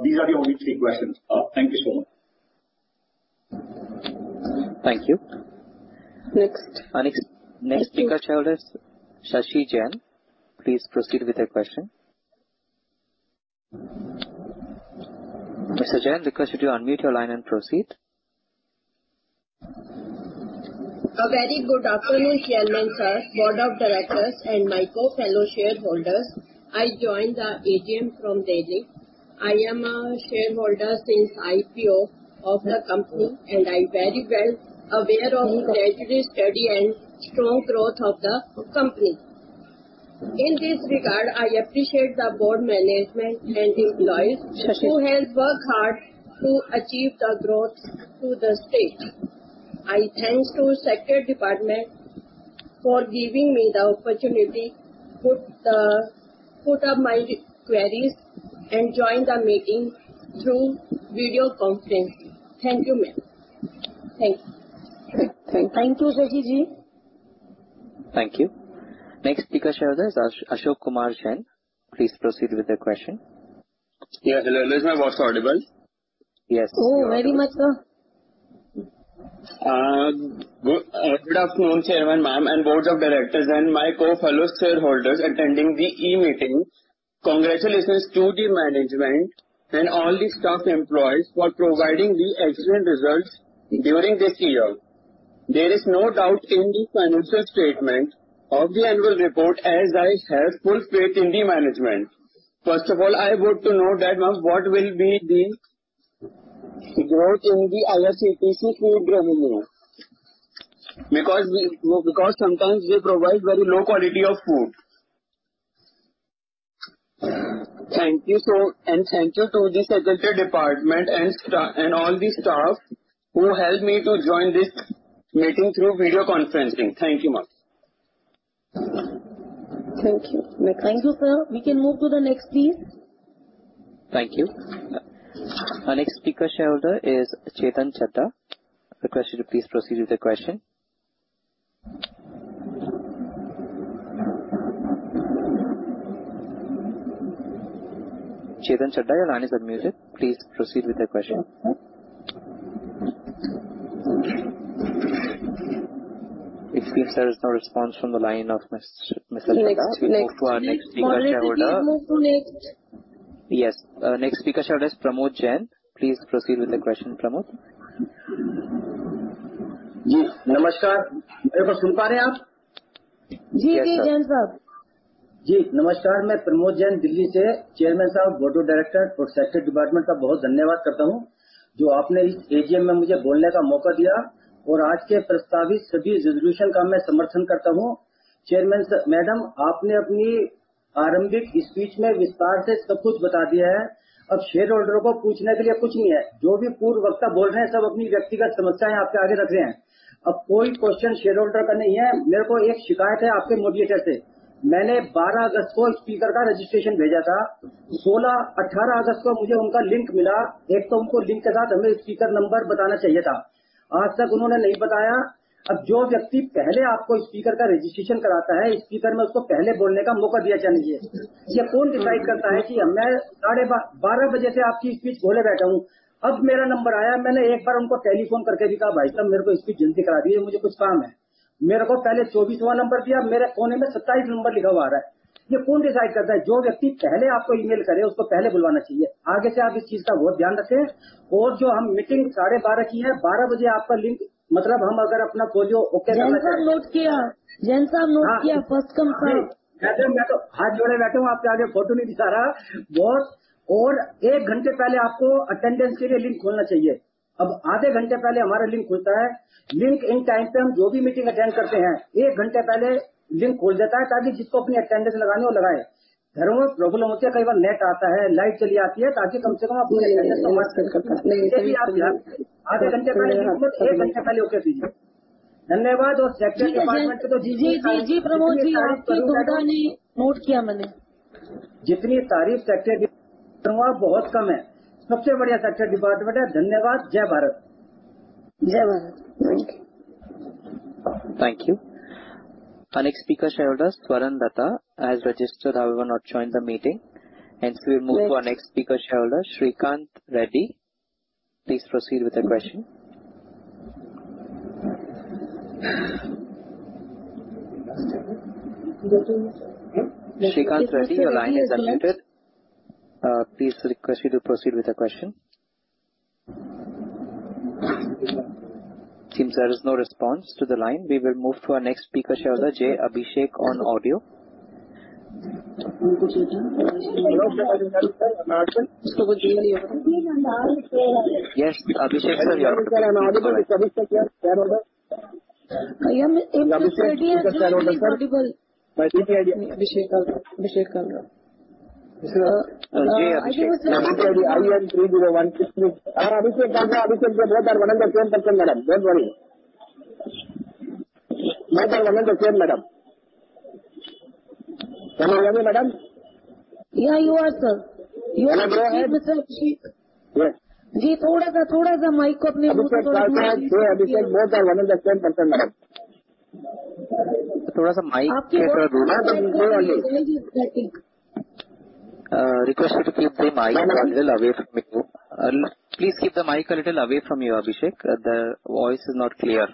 Speaker 20: These are the only three questions. Thank you so much.
Speaker 1: Thank you.
Speaker 4: Next.
Speaker 1: Our next speaker shareholder is Shashi Jain. Please proceed with your question. Mr. Jain, request you to unmute your line and proceed.
Speaker 21: A very good afternoon, Chairman Sir, board of directors, and my co-fellow shareholders. I joined the AGM from Delhi. I am a shareholder since IPO of the company, and I'm very well aware of the gradually steady and strong growth of the company. In this regard, I appreciate the board management and employees who have worked hard to achieve the growth to this stage. I thank the sector department for giving me the opportunity to put up my queries and join the meeting through video conference. Thank you, ma'am.
Speaker 4: Thank you.
Speaker 1: Thank you.
Speaker 4: Thank you, Shashi Ji.
Speaker 1: Thank you. Next speaker shareholder is Ashok Kumar Jain. Please proceed with your question.
Speaker 22: Yes. Hello. Is my voice audible?
Speaker 1: Yes.
Speaker 4: Oh, very much, sir.
Speaker 22: Good afternoon, Chairman Ma'am, and board of directors and my fellow shareholders attending the e-meeting. Congratulations to the management and all the staff employees for providing the excellent results during this year. There is no doubt in the financial statement of the annual report, as I have full faith in the management. First of all, I would like to know that, ma'am, what will be the growth in the IRCTC food revenue? Because sometimes they provide very low quality of food. Thank you so, and thank you to the secretary department and all the staff who helped me to join this meeting through video conferencing. Thank you, ma'am.
Speaker 4: Thank you. Next.
Speaker 1: Thank you, sir. We can move to the next, please. Thank you. Our next speaker shareholder is Chetan Chadha. Request you to please proceed with your question. Chetan Chadha, your line is unmuted. Please proceed with your question. If there is no response from the line of Miss
Speaker 2: Next
Speaker 1: Next speaker shareholder.
Speaker 2: Move to next.
Speaker 1: Yes. Next speaker shareholder is Pramod Jain. Please proceed with the question Pramod.
Speaker 23: जी नमस्कार। मेरे को सुन पा रहे हैं आप?
Speaker 2: जी, जी जैन साहब।
Speaker 23: जी नमस्कार। मैं प्रमोद जैन, दिल्ली से। Chairman साहब, Board of Director, Secretary Department का बहुत धन्यवाद करता हूं जो आपने इस AGM में मुझे बोलने का मौका दिया और आज के प्रस्तावित सभी resolution का मैं समर्थन करता हूं। Chairman Madam, आपने अपनी आरंभिक speech में विस्तार से सब कुछ बता दिया है। अब shareholder को पूछने के लिए कुछ नहीं है। जो भी पूर्व वक्ता बोल रहे हैं, सब अपनी व्यक्तिगत समस्याएं आपके आगे रख रहे हैं। अब कोई question shareholder का नहीं है। मेरे को एक शिकायत है आपके moderator से। मैंने 12 अगस्त को speaker का registration भेजा था। 16, 18 अगस्त को मुझे उनका link मिला। एक तो उनको link के साथ हमें speaker number बताना चाहिए था। आज तक उन्होंने नहीं बताया। अब जो व्यक्ति पहले आपको speaker का registration कराता है, speaker में उसको पहले बोलने का मौका दिया जाना चाहिए। यह कौन decide करता है कि मैं साढ़े 12 बजे से आपकी speech सुन रहे बैठा हूं। अब मेरा number आया। मैंने एक बार उनको telephone करके भी कहा, "भाई साहब, मेरे को speak जल्दी करा दीजिए, मुझे कुछ काम है।" मेरे को पहले 24th number दिया। मेरे phone में 27 number लिखा हुआ आ रहा है। यह कौन decide करता है?
Speaker 13: जो व्यक्ति पहले आपको email करे उसको पहले बुलवाना चाहिए। आगे से आप इस चीज का बहुत ध्यान रखें और जो हम meeting साढ़े 12 की है। 12 बजे आपका link मतलब हम अगर अपना जो okay
Speaker 2: जैन साहब note किया। जैन साहब note किया, first come first.
Speaker 23: मैं तो हाथ जोड़े बैठा हूँ आपके आगे। फोटो नहीं दिखा रहा। एक घंटे पहले आपको attendance के लिए link खोलना चाहिए। अब आधे घंटे पहले हमारा link खुलता है। Link in time से हम जो भी meeting attend करते हैं, एक घंटे पहले link खुल जाता है ताकि जिसको अपनी attendance लगानी हो लगाए। घरों में problem होती है। कई बार net आता है, light चली जाती है ताकि कम से कम अपने
Speaker 1: नहीं नहीं
Speaker 23: आधे घंटे पहले नहीं, एक घंटे पहले open कीजिए। धन्यवाद और Secretary Department।
Speaker 2: जी, प्रमोद जी, आपकी comment भी note किया मैंने।
Speaker 23: जितनी तारीफ secretary बहुत कम है। सबसे बढ़िया secretary department है। धन्यवाद। जय भारत।
Speaker 2: जय Bharat.
Speaker 1: Thank you. Our next speaker, shareholder Swaran Dutta, has registered, however not joined the meeting, hence we will move to our next speaker, shareholder Srikanth Reddy. Please proceed with the question. Srikanth Reddy, your line is unmuted. Please request you to proceed with the question. Seems there is no response to the line. We will move to our next speaker, shareholder J. Abhishek on audio. कुछ नहीं है। Yes, J. Abhishek Sir, you are.
Speaker 24: I am audible, J. Abhishek here, shareholder.
Speaker 25: Abhishek Reddy, sir, you are audible.
Speaker 26: Abhishek.
Speaker 1: J. Abhishek
Speaker 24: My DPID IN30166. Yes, Abhishek ka to Abhishek both are one and the same person madam. Don't worry. Both are one and the same madam. Can you hear me madam?
Speaker 2: Yeah, you are, sir.
Speaker 24: Madam
Speaker 2: ji, थोड़ा सा mike को नहीं उठाया तो।
Speaker 24: J. Abhishek ka to J. Abhishek both are one and the same person, madam.
Speaker 1: थोड़ा सा mic के ऊपर
Speaker 25: Aapke both are one and the same, I think.
Speaker 1: Request you to keep the mic a little away from you. Please keep the mic a little away from you J. Abhishek. The voice is not clear.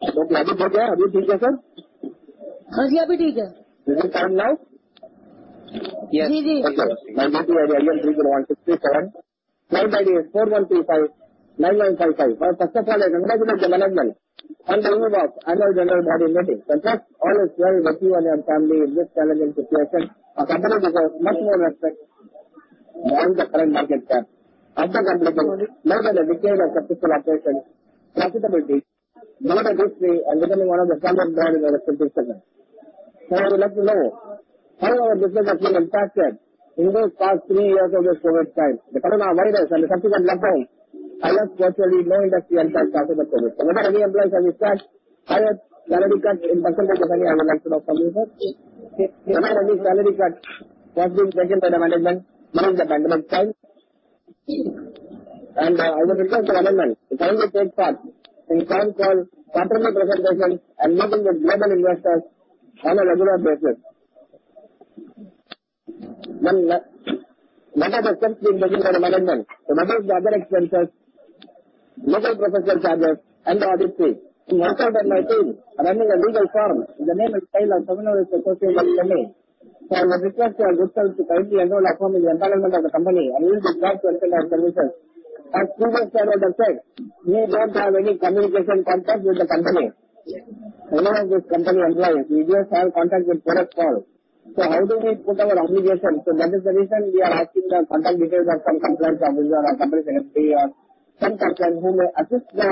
Speaker 18: अब हो गया? अब ठीक है sir.
Speaker 2: हाँ जी, अब ठीक है।
Speaker 5: Is it fine now?
Speaker 1: Yes.
Speaker 2: Ji, ji.
Speaker 24: My DPID IN301667. My ID is 41259955. First of all, I congratulate the management on bringing about annual general body meeting. The trust always rely on you and your family in this challenging situation. Our company deserves much more respect than the current market cap of the company. More than a decade of successful operations, profitability, none of this we are given one of the lowest value in our sector segment. Now we would love to know how our business has been impacted in those past three years of this COVID time. The coronavirus and subsequent lockdown has virtually no industry and profitable business. No matter how many employees have been sacked, higher salary cuts in percentage of salary have been introduced by the management. No matter how many salary cuts have been taken by the management during the pandemic time. I would request the management to kindly take part in earnings call, quarterly presentations and meeting with global investors on a regular basis. One matter of concern being raised by the management about the other expenses, legal professional charges and auditing. Myself and my team running a legal firm in the name and style of Samuel & Associates. I would request you and yourself to kindly enroll our firm in the employment of the company and we will be glad to undertake the business. As previous shareholder said we don't have any communication contact with the company. None of this company employees we just have contact with product call. How do we put our obligation? That is the reason we are asking the contact details of some compliance officer or company secretary or some person who may assist the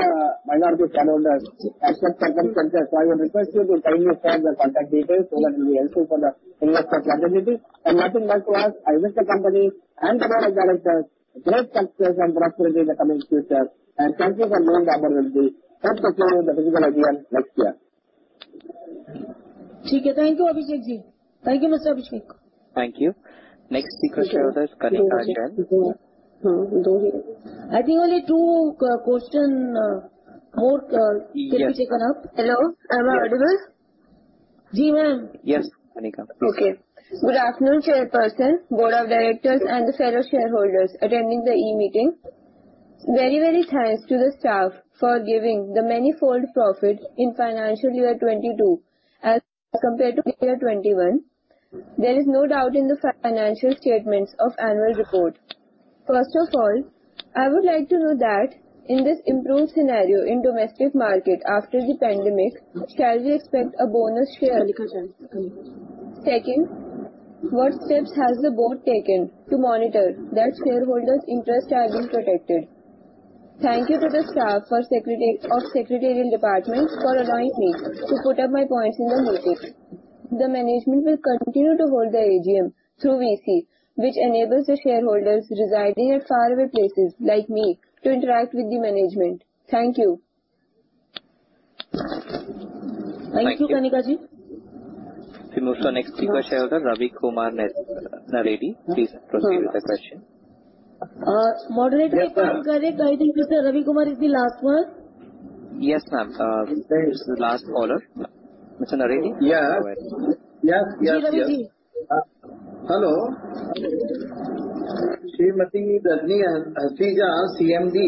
Speaker 24: minority shareholders as per circumstances. I would request you to kindly share the contact details so that will be helpful for the investor community and nothing but to us. I wish the company and the board of directors great success and prosperity in the coming future and thank you for being the opportunity to attend the AGM next year.
Speaker 25: Theek hai. Thank you J. Abhishek ji. Thank you Mr. J. Abhishek.
Speaker 1: Thank you. Next speaker shareholder is Kanika Jain.
Speaker 27: I think only two more questions can be taken up. Hello, am I audible?
Speaker 3: Ji ma'am.
Speaker 2: Yes, Kanika.
Speaker 3: Okay. Good afternoon, Chairperson, Board of Directors and the fellow shareholders attending the e-meeting. Very many thanks to the staff for giving the manifold profit in financial year 2022 as compared to year 2021. There is no doubt in the financial statements of annual report. First of all, I would like to know that in this improved scenario in domestic market after the pandemic, shall we expect a bonus share? Second, what steps has the board taken to monitor that shareholders interest are being protected? Thank you to the staff for secretarial departments for allowing me to put up my points in the meeting. The management will continue to hold the AGM through VC, which enables the shareholders residing at faraway places like me to interact with the management. Thank you.
Speaker 27: Thank you.
Speaker 3: Thank you, Kanika ji.
Speaker 1: Our next speaker shareholder Ravi Kumar Naredi, please proceed with the question.
Speaker 3: Moderator ek kaam kare, guide him because Ravi Kumar Naredi is the last one.
Speaker 2: Yes, ma'am. Mr. Naredi is the last caller. Mr. Naredi?
Speaker 28: Yeah. Yes.
Speaker 3: Ji, Ravi ji.
Speaker 28: Hello. Srimati Rajni Hasija, CMD,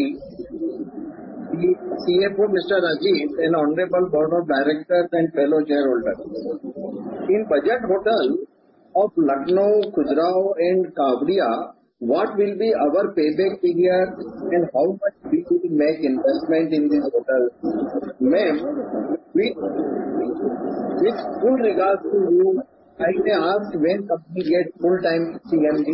Speaker 28: the CFO Shri Ajit Kumar, and honorable Board of Directors and fellow shareholders. In budget hotel of Lucknow, Khajuraho and Kevadia, what will be our payback period and how much we should make investment in this hotel? Ma'am, with full regards to you, I may ask when company get full-time CMD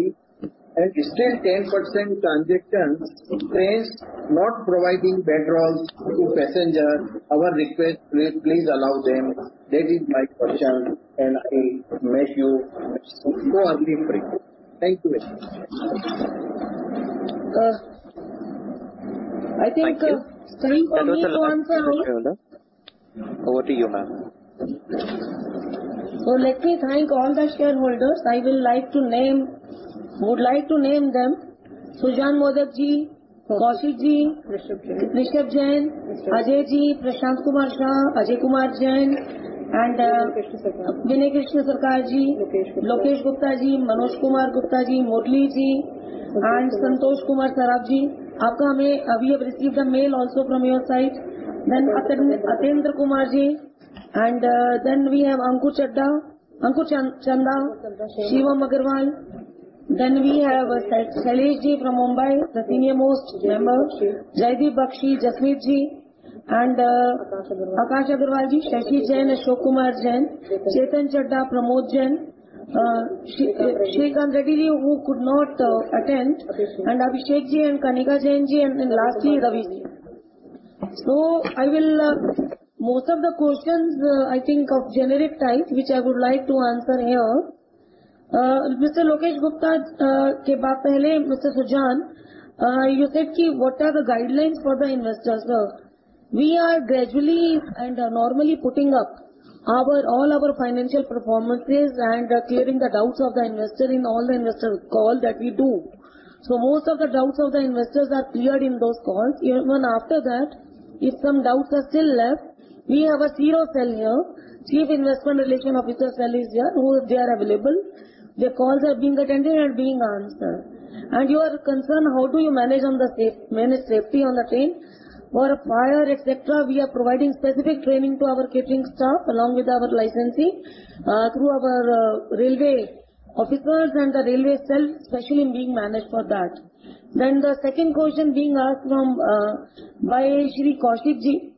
Speaker 28: and still 10% transactions trains not providing bed rolls to passenger. Our request, please allow them. That is my question, and I may you go early break. Thank you very much.
Speaker 3: I think.
Speaker 28: Thank you.
Speaker 3: Same for me to answer.
Speaker 28: Over to you, ma'am.
Speaker 3: Let me thank all the shareholders. I would like to name them. Sujan Modak Ji, Kaushik Ji.
Speaker 4: Rishabh Jain.
Speaker 3: Rishabh Jain, Ajay Ji, Prashant Kumar Jha, Ajay Kumar Jain and
Speaker 4: Bimal Krishna Sarkar Ji.
Speaker 3: Bimal Krishna Sarkar Ji.
Speaker 4: Lokesh Gupta Ji.
Speaker 3: Lokesh Gupta Ji, Manoj Kumar Gupta Ji, Murali Ji and Santosh Kumar Saraf Ji. Aapka mail, we have received a mail also from your side. Atindra Kumar Ji, and then we have Ankur Chanda.
Speaker 4: Chanda Sharma.
Speaker 3: Shivam Aggarwal. We have Shailesh ji from Mumbai, the senior-most member.
Speaker 4: Jaideep Bakshi.
Speaker 3: Jaideep Bakshi, Jasmeet ji and
Speaker 4: Akash Agarwal.
Speaker 3: Akash Agarwal Ji, Shashi Jain, Ashok Kumar Jain.
Speaker 4: Chetan Chadha.
Speaker 3: Chetan Chadha, Pramod Jain, Shri Srikanth Reddy Ji, who could not attend.
Speaker 4: Abhishek.
Speaker 3: J. Abhishek Ji and Kanika Jain Ji, and then lastly, Ravi Kumar Naredi Ji. I will most of the questions I think of generic type, which I would like to answer here. Mr. Lokesh Gupta, ke baat pehle Mr. Sujan Modak, you said ki what are the guidelines for the investors, sir? We are gradually and normally putting up our financial performances and clearing the doubts of the investor in all the investor call that we do. Most of the doubts of the investors are cleared in those calls. Even after that, if some doubts are still left, we have a IR cell here, Chief Investor Relations Officer cell is there, who they are available. Their calls are being attended and being answered. Your concern, how do you manage safety on the train for a fire, et cetera. We are providing specific training to our catering staff along with our licensee through our railway officers and the railway cell specially being managed for that. The second question being asked by Shri Kaushik Sahukar.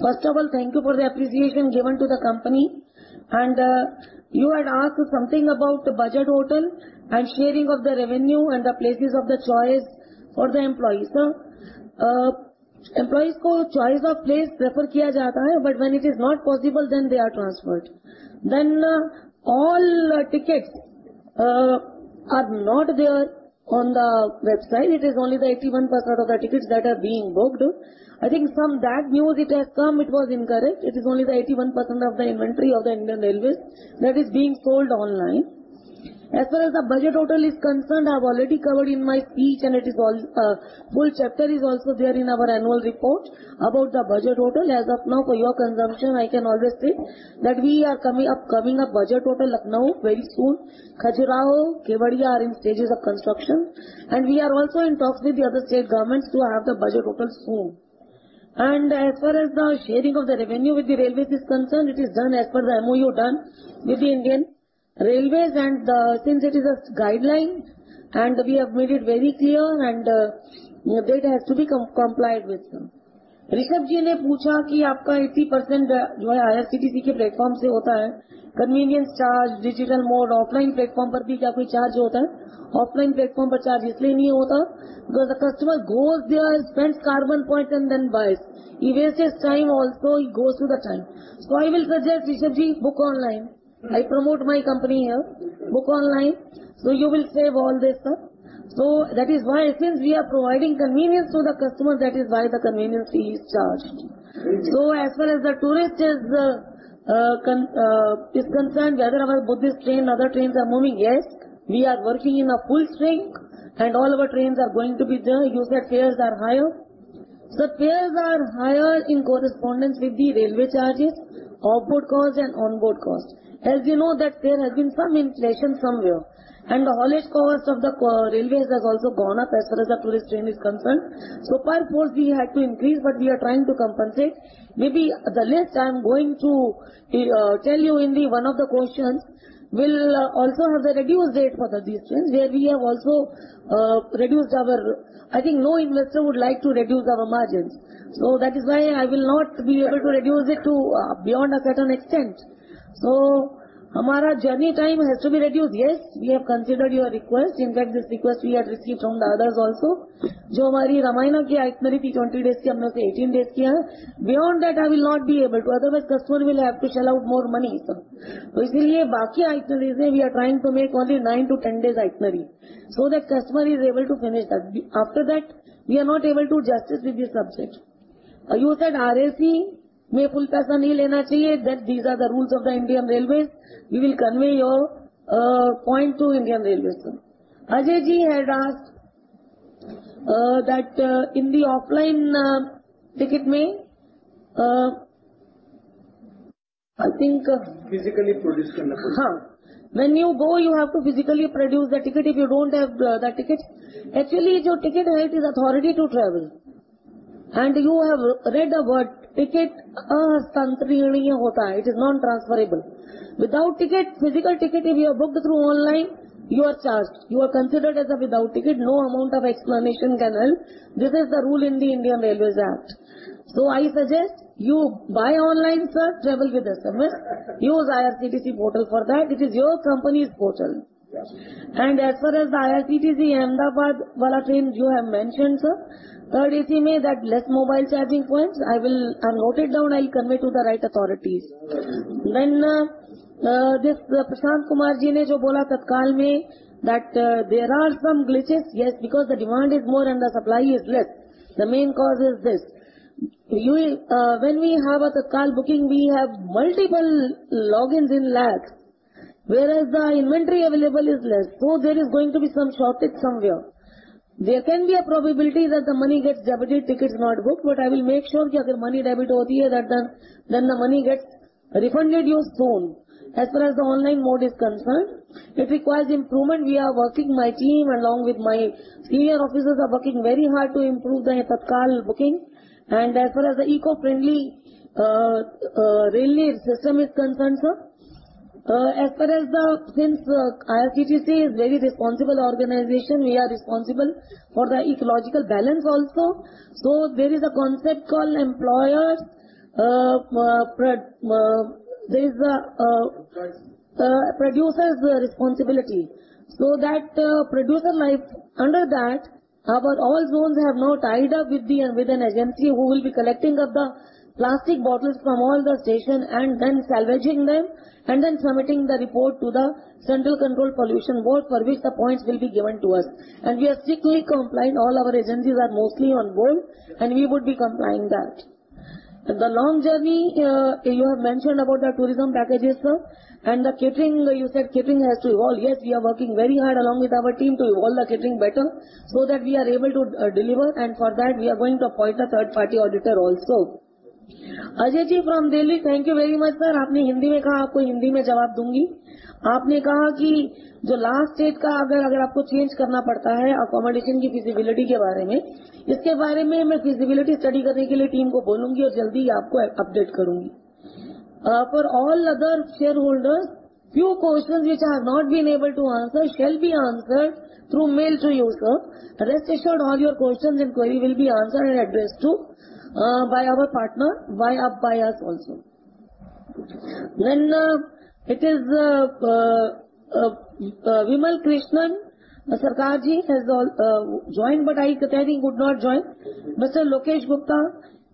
Speaker 3: First of all, thank you for the appreciation given to the company. You had asked something about budget hotel and sharing of the revenue and the places of the choice for the employees. Sir, employees ko choice of place prefer kiya jata hai, but when it is not possible then they are transferred. All tickets are not there on the website. It is only the 81% of the tickets that are being booked. I think from that news it has come, it was incorrect. It is only the 81% of the inventory of the Indian Railways that is being sold online. As far as the budget hotel is concerned, I've already covered in my speech, and it is full chapter is also there in our annual report about the budget hotel. As of now, for your consumption, I can always say that we are coming up budget hotel Lucknow very soon. Khajuraho, Kevadia are in stages of construction. We are also in talks with the other state governments to have the budget hotels soon. As far as the sharing of the revenue with the railways is concerned, it is done as per the MoU done with the Indian Railways and since it is a guideline and we have made it very clear and that has to be complied with. Rishabh Ji ne poocha ki aapka 80% jo hai IRCTC ke platform se hota hai. Convenience charge, digital mode, offline platform par bhi kya koi charge hota hai? Offline platform par charge isliye nahi hota because the customer goes there, spends carbon footprint and then buys. He wastes his time also, he goes through the time. I will suggest Rishabh Ji, book online. I promote my company here. Book online, so you will save all this, sir. That is why since we are providing convenience to the customer, that is why the convenience fee is charged. As far as the tourism is concerned, whether our Buddhist train, other trains are moving. Yes, we are working in full swing and all our trains are going to be there. You said fares are higher. The fares are higher in correspondence with the railway charges, off-board cost and on-board cost. As you know that there has been some inflation somewhere, and the haulage cost of the railways has also gone up as far as the tourist train is concerned. Perforce we had to increase, but we are trying to compensate. Maybe the list I am going to tell you in one of the questions will also reduce rate for these trains where we have also reduced our. I think no investor would like to reduce our margins. That is why I will not be able to reduce it to beyond a certain extent. Our journey time has to be reduced. Yes, we have considered your request. In fact, this request we have received from the others also. Beyond that I will not be able to otherwise the customer will have to shell out more money, sir. We are trying to make only 9-10 days itinerary so that customer is able to finish that. After that we are not able to do justice with your subject. You said RAC that these are the rules of the Indian Railways. We will convey your point to Indian Railways, sir. Ajay ji had asked that in the offline ticket menu, I think-
Speaker 4: Physically produce.
Speaker 3: Ha. When you go, you have to physically produce the ticket. If you don't have the ticket. Actually your ticket is authority to travel, and you have read the word ticket. It is non-transferable. Without ticket, physical ticket, if you have booked through online, you are charged. You are considered as a without ticket. No amount of explanation can help. This is the rule in the Indian Railways Act. I suggest you buy online, sir. Travel with us, sir. Use IRCTC portal for that. It is your company's portal.
Speaker 4: Yes.
Speaker 3: As far as the IRCTC Ahmedabad train you have mentioned, sir, 30 May that less mobile charging points, I'll note it down. I'll convey to the right authorities. This Prashant Kumar Jha, that there are some glitches. Yes, because the demand is more and the supply is less. The main cause is this. When we have a Tatkal booking, we have multiple logins in lakhs, whereas the inventory available is less. So there is going to be some shortage somewhere. There can be a probability that the money gets debited, tickets not booked. But I will make sure that the money debit that then the money gets refunded you soon. As far as the online mode is concerned, it requires improvement. We are working. My team along with my senior officers are working very hard to improve the Tatkal booking. As far as the eco-friendly railway system is concerned, sir. Since IRCTC is very responsible organization, we are responsible for the ecological balance also. There is a concept called employer.
Speaker 4: Producers.
Speaker 3: Under that our all zones have now tied up with the, with an agency who will be collecting up the plastic bottles from all the station and then salvaging them, and then submitting the report to the Central Pollution Control Board, for which the points will be given to us, and we are strictly complying. All our agencies are mostly on board and we would be complying that. The long journey, you have mentioned about the tourism packages, sir, and the catering. You said catering has to evolve. Yes, we are working very hard along with our team to evolve the catering better so that we are able to deliver, and for that we are going to appoint a third party auditor also. Ajay ji from Delhi. Thank you very much, sir. For all other shareholders, few questions which I have not been able to answer shall be answered through mail to you, sir. Rest assured, all your questions inquiry will be answered and addressed to by our partner, by us also. Vimal Krishna Sarkarji has joined, but I think would not join. Mr. Lokesh Gupta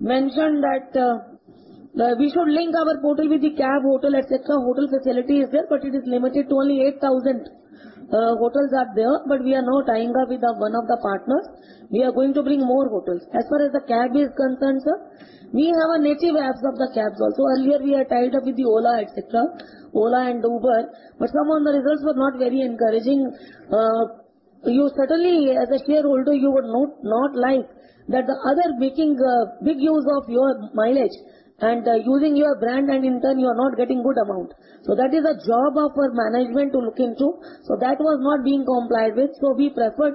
Speaker 3: mentioned that we should link our portal with the cab, hotel, et cetera. Hotel facility is there, but it is limited to only 8,000 hotels are there. But we are now tying up with one of the partners. We are going to bring more hotels. As far as the cab is concerned, sir, we have native apps of the cabs also. Earlier we are tied up with the Ola, et cetera, Ola and Uber, but some of the results were not very encouraging. You certainly as a shareholder, you would not like that the other making a big use of your mileage and using your brand, and in turn you are not getting good amount. That is a job of our management to look into. That was not being complied with. We preferred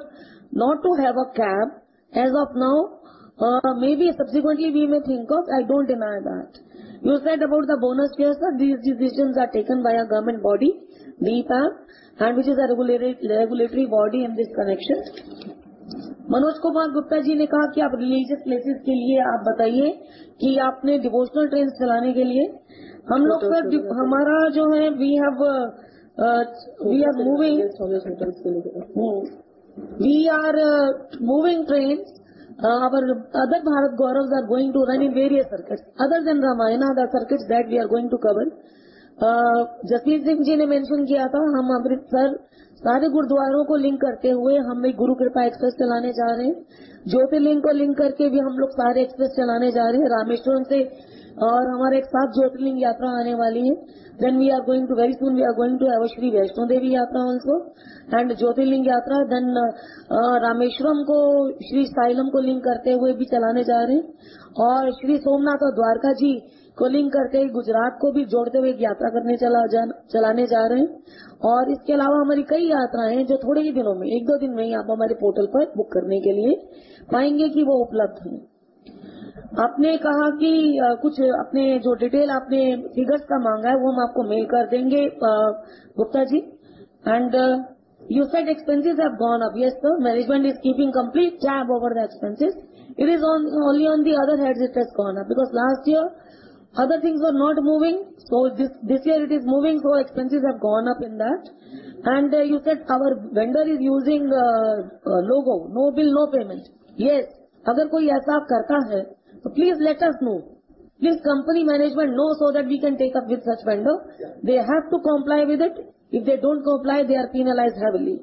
Speaker 3: not to have a cab as of now. Maybe subsequently we may think of. I don't deny that. You said about the bonus shares that these decisions are taken by a government body, DIPAM, and which is a regulatory body in this connection. Manoj Kumar Gupta We are moving trains. Our other Bharat Gauravs are going to run in various circuits other than Ramayana, the circuits that we are going to cover. Jasmeet Singh. Very soon we are going to have a Shri Vaishno Devi yatra also, and Jyotirlinga Yatra. Rameswaram ko Srisailam ko link karte hue bhi chalane ja rahe hai, aur Shri Somnath aur Dwarkaji ko link karke Gujarat ko bhi jodte hue ek yatra karne chalane ja rahe hai. Aur iske alawa hamari kai yatraein hai jo thode hi dino mein, ek do din mein hi aap hamare portal par book karne ke liye paayeinge ki woh uplabdh hai. आपने कहा कि कुछ अपने जो detail आपने figures का मांगा है वो हम आपको mail कर देंगे। Gupta ji. You said expenses have gone up. Yes, sir, management is keeping complete tab over the expenses. It is on only on the other heads it has gone up because last year other things were not moving so this year it is moving so expenses have gone up in that, and you said our vendor is using logo no bill no payment. Yes, अगर कोई ऐसा करता है तो please let us know, please let company management know so that we can take up with such vendor. They have to comply with it. If they don't comply, they are penalized heavily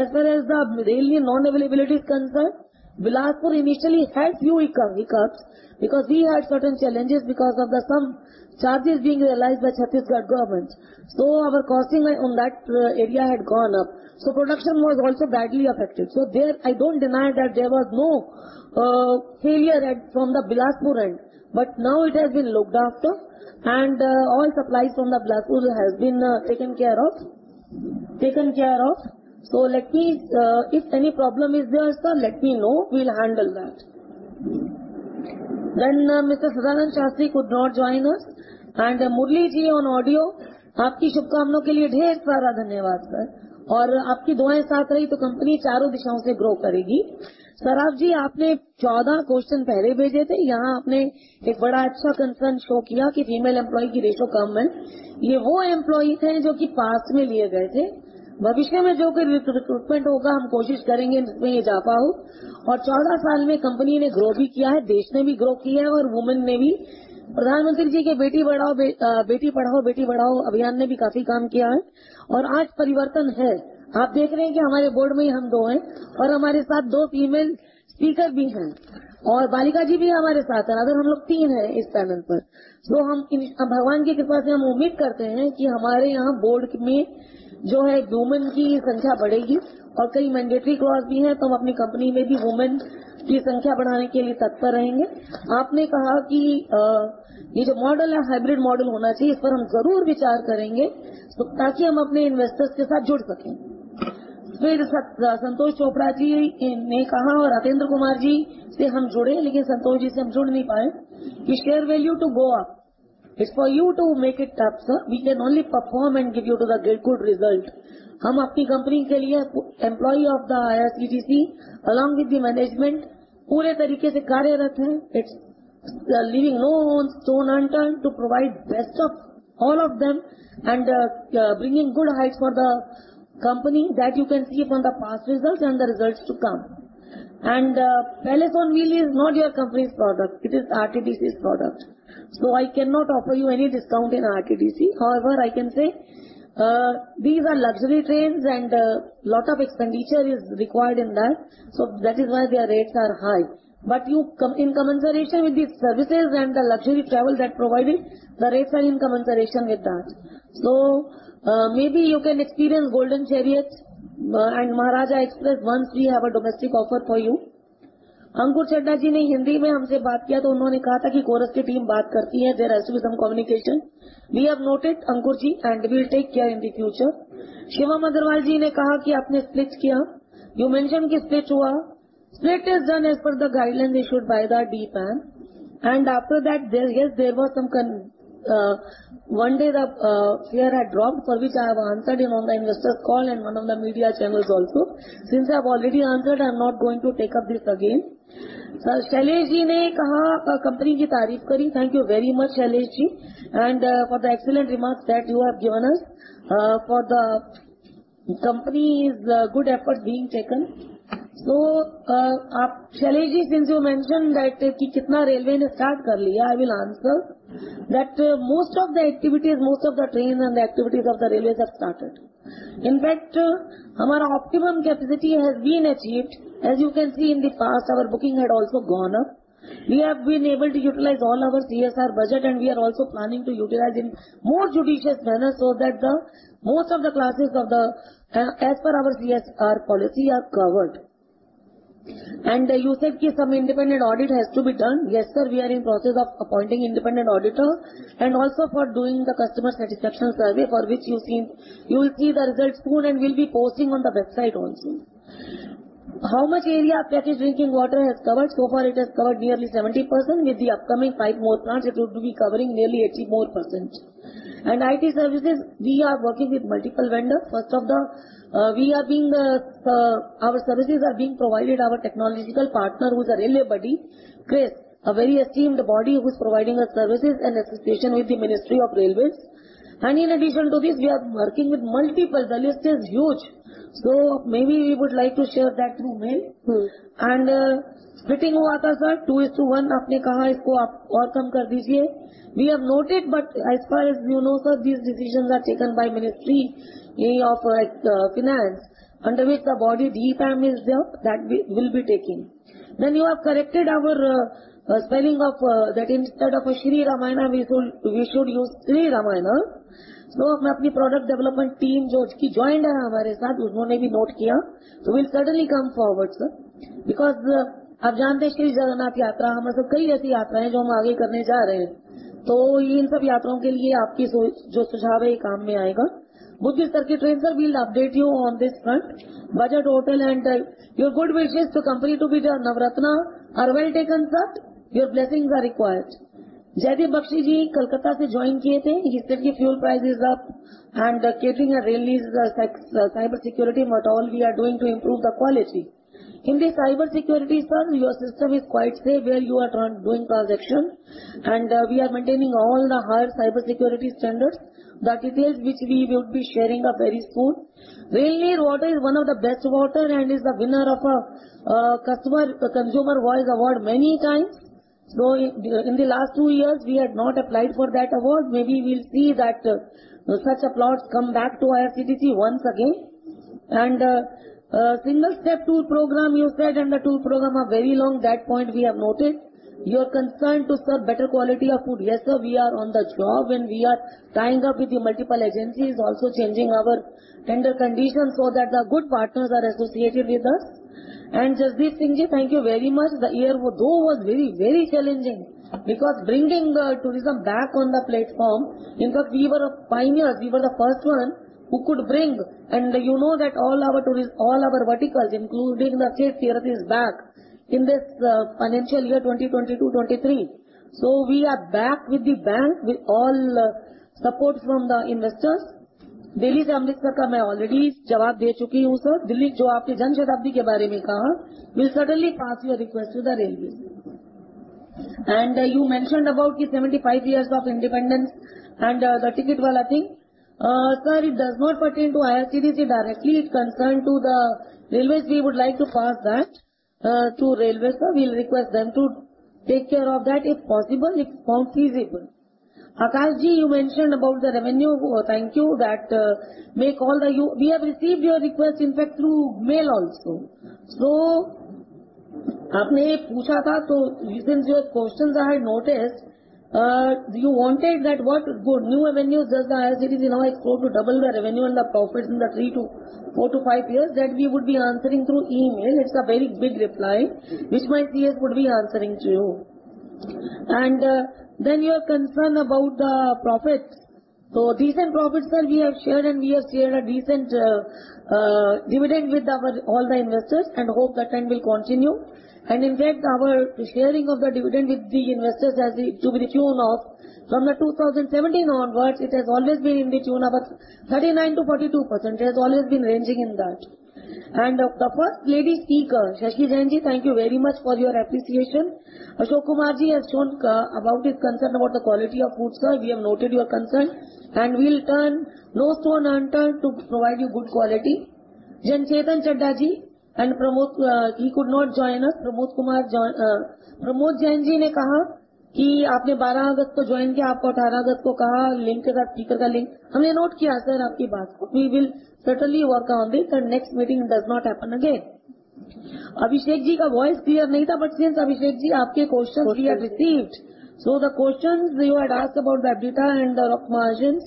Speaker 3: as well as the linen non-availability concerned. Bilaspur initially had few hiccups because we had certain challenges because of some charges being realized by Chhattisgarh government so our costing on that area had gone up so production was also badly affected so there I don't deny that there was no failure and from the Bilaspur end but now it has been looked after and all supplies from the Bilaspur has been taken care of so let me know if any problem is there sir let me know we will handle that then Mr. K Sadananda Shastri could not join us and Murali ji on audio, आपकी शुभकामनाएं के लिए ढेर सारा धन्यवाद sir और आपकी दुआएं साथ रही तो company चारों दिशाओं से grow करेगी। Santosh Kumar Saraf जी आपने 14 question पहले भेजे थे, यहां आपने एक बड़ा अच्छा concern show किया कि female employee की ratio कम है। यह वो employees हैं जो कि past में लिए गए थे। भविष्य में जो भी recruitment होगा हम कोशिश करेंगे कि इसमें यह जा पाओ और 14 साल में company ने grow भी किया है, देश ने भी grow किया है और women ने भी। प्रधानमंत्री जी के बेटी पढ़ाओ, बेटी बढ़ाओ अभियान ने भी काफी काम किया है और आज परिवर्तन है। आप देख रहे हैं कि हमारे board में ही हम दो हैं और हमारे साथ दो female speaker भी हैं और Balika जी भी हमारे साथ, rather हम लोग तीन हैं इस panel पर, तो हम भगवान की कृपा से हम उम्मीद करते हैं कि हमारे यहां board में जो है women की संख्या बढ़ेगी और कई mandatory clause भी हैं तो हम अपनी company में भी women की संख्या बढ़ाने के लिए तत्पर रहेंगे। आपने कहा कि यह जो model है hybrid model होना चाहिए, इस पर हम जरूर विचार करेंगे ताकि हम अपने investors के साथ जुड़ सकें। फिर Santosh Chopra जी ने कहा और Rajendra Kumar जी से हम जुड़े लेकिन Santosh जी से हम जुड़ नहीं पाए। The share value to go up is for you to make it up, sir, we can only perform and give you the good result. हम अपनी company के लिए employee of the IRCTC along with the management पूरे तरीके से कार्यरत हैं। It's leaving no stone unturned to provide best of all of them and bringing good heights for the company that you can see from the past results and the results to come. Palace on Wheels is not your company's product. It is IRCTC's product. I cannot offer you any discount in IRCTC. However, I can say these are luxury trains and lot of expenditure is required in that. That is why their rates are high. You come in commensuration with these services and the luxury travel that providing. The rates are in commensuration with that. Maybe you can experience Golden Chariot and Maharajas' Express once we have a domestic offer for you. अंकुर चंदा जी ने हिंदी में हमसे बात किया तो उन्होंने कहा था कि Kores की team बात करती है। There has to be some communication. We have noted Ankur ji and we will take care in the future. Shivam Agarwal ji ने कहा कि आपने split किया. You mentioned कि split हुआ. Split is done as per the guidelines issued by the DIPAM. After that there yes there were some one day the share had dropped for which I have answered in on the investor call and one of the media channels also. Since I have already answered I am not going to take up this again. Sir Shailesh ji ने कहा company की तारीफ करी. Thank you very much Shailesh ji and for the excellent remarks that you have given us for the company is good effort being taken. Shailesh ji since you mentioned that कि कितना railway ने start कर लिया. I will answer that most of the activities, trains and the activities of the railways have started. In fact हमारा optimum capacity has been achieved as you can see in the past our booking had also gone up. We have been able to utilize all our CSR budget and we are also planning to utilize in more judicious manner so that the most of the classes of the as per our CSR policy are covered. You said कि some independent audit has to be done. Yes sir we are in process of appointing independent auditor and also for doing the customer satisfaction survey for which you will see the results soon and we will be posting on the website also. How much area of drinking water has covered so far. It has covered nearly 70%. With the upcoming 5 more plants it would be covering nearly 80% more. IT services we are working with multiple vendors. First, our services are being provided our technological partner who is a railway body CRIS a very esteemed body who is providing us services and association with the Ministry of Railways. In addition to this we are working with multiple. The list is huge so maybe we would like to share that through mail. Splitting हुआ था sir 2:1. आपने कहा इसको आप और कम कर दीजिए. We have noted but as far as you know sir these decisions are taken by Ministry of Finance under which the body DIPAM is there that we will be taking. Then you have corrected our spelling of that instead of Shri Ramayan we should use Shri Ramayan. अपनी product development team जो joined है हमारे साथ उन्होंने भी note किया. We will certainly come forward sir because आप जानते हैं श्री जगन्नाथ यात्रा हमारे पास कई ऐसी यात्राएं हैं जो हम आगे करने जा रहे हैं तो इन सब यात्राओं के लिए आपकी जो सुझाव है ये काम में आएगा. Buddhist Circuit Tourist Train sir we will update you on this front. Budget hotel and your good wishes to company to be the Navratna are well taken sir. Your blessings are required. Jaideep Bakshi ji Kolkata se join kiye the. He said ki fuel price is up and the catering and railways cyber security what all we are doing to improve the quality. In the cyber security sir, your system is quite safe where you are doing transaction, and we are maintaining all the higher cyber security standards. The details which we would be sharing are very soon. Railway water is one of the best water and is the winner of a consumer voice award many times. In the last two years we had not applied for that award. Maybe we'll see that such awards come back to IRCTC once again. Single step tour program you said, and the tour program are very long. That point we have noted. Your concern to serve better quality of food. Yes, sir, we are on the job, and we are tying up with the multiple agencies, also changing our tender conditions so that the good partners are associated with us. Jasmeet Singh ji, thank you very much. The year though was very, very challenging because bringing the tourism back on the platform, in fact, we were the pioneers. We were the first one who could bring, and you know that all our tourist, all our verticals, including the faith tourism is back in this financial year, 2022, 2023. We are back with a bang with all support from the investors. Delhi to Amritsar ka main already jawab de chuki hoon, sir. Delhi jo aapne Jan Shatabdi ke baare mein kaha. We'll certainly pass your request to the railways. You mentioned about the 75 years of independence and the ticket wala thing. Sir, it does not pertain to IRCTC directly. It's concerned to the railways. We would like to pass that to railways, sir. We'll request them to take care of that if possible, if found feasible. Akash ji, you mentioned about the revenue. Thank you. We have received your request in fact through mail also. Aapne ye pucha tha toh since your questions I had noticed, you wanted that what good new avenues does the IRCTC now explore to double the revenue and the profits in the 3-4-5 years that we would be answering through email. It's a very big reply which my CS would be answering to you. Your concern about the profits. Decent profits, sir, we have shared, and we have shared a decent dividend with our all the investors and hope the trend will continue. In fact our sharing of the dividend with the investors has to be tune of from 2017 onwards, it has always been in the tune of 39%-42%. It has always been ranging in that. The first lady speaker, Shashi Jain ji, thank you very much for your appreciation. Ashok Kumar Jain ji has shown about his concern about the quality of foods, sir. We have noted your concern, and we'll turn no stone unturned to provide you good quality. Chetan Chadha ji and Pramod Jain, he could not join us. Pramod Jain ji ne kaha ki aapne 12 August ko join kiya, aapko 18 August ko kaha link ka speaker ka link. Humne note kiya sir aapki baat. We will certainly work on this so next meeting does not happen again. J. Abhishek ji ka voice clear nahi tha, but since J. Abhishek ji aapke questions we have received. The questions you had asked about the EBITDA and the margins,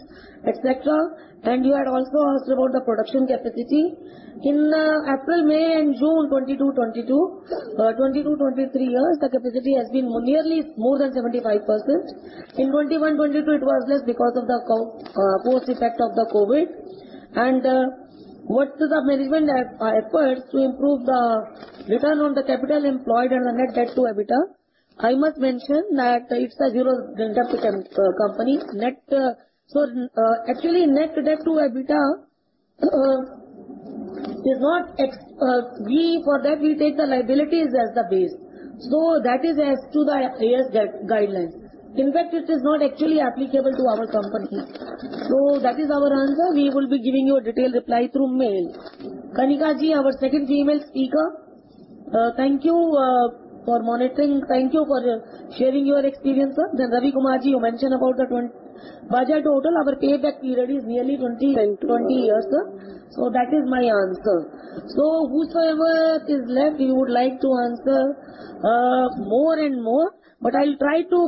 Speaker 3: et cetera, and you had also asked about the production capacity. In April, May and June 2022-23, the capacity has been nearly more than 75%. In 2021-22 it was less because of the post effect of the COVID. What the management efforts to improve the return on the capital employed and the net debt to EBITDA. I must mention that it's a zero debt company. Net, actually net debt to EBITDA is not. For that we take the liabilities as the base. That is as to the Ind AS guidelines. In fact, it is not actually applicable to our company. That is our answer. We will be giving you a detailed reply through mail. Kanika ji, our second female speaker, thank you for monitoring. Thank you for sharing your experience, sir. Ravi Kumar ji, you mentioned about Bajaj Auto, our payback period is nearly 20 years, sir. That is my answer. Whosoever is left, we would like to answer more and more, but I'll try to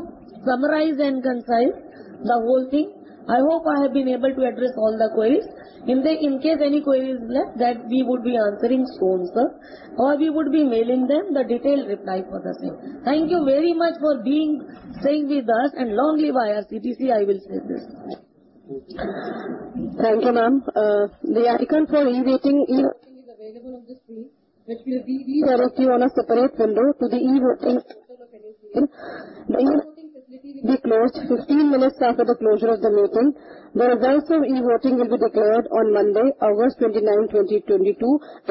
Speaker 3: summarize and concise the whole thing. I hope I have been able to address all the queries. In case any query is left that we would be answering soon, sir, or we would be mailing them the detailed reply for the same. Thank you very much for staying with us and long live IRCTC, I will say this.
Speaker 2: Thank you, ma'am. The icon for e-voting is available on the screen which will be directly on a separate window to the e-voting. The e-voting facility will be closed 15 minutes after the closure of the meeting. The results of e-voting will be declared on Monday, August 29, 2022,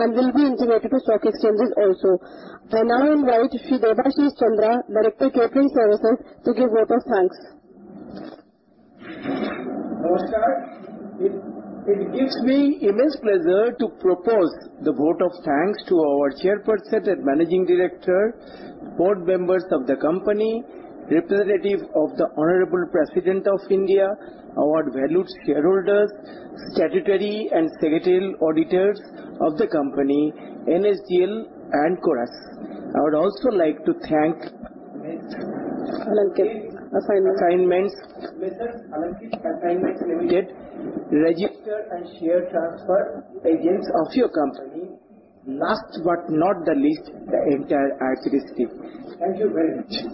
Speaker 2: and will be intimated to stock exchanges also. I now invite Sri Debashis Chandra, Director Catering Services, to give vote of thanks.
Speaker 5: Namaskar. It gives me immense pleasure to propose the vote of thanks to our chairperson and managing director, board members of the company, representative of the Honorable President of India, our valued shareholders, statutory and secretarial auditors of the company, NSDL and CDSL. I would also like to thank
Speaker 2: Alankit Assignments
Speaker 5: Alankit Assignments Limited, registrar and share transfer agents of your company. Last but not least, the entire IRCTC team. Thank you very much.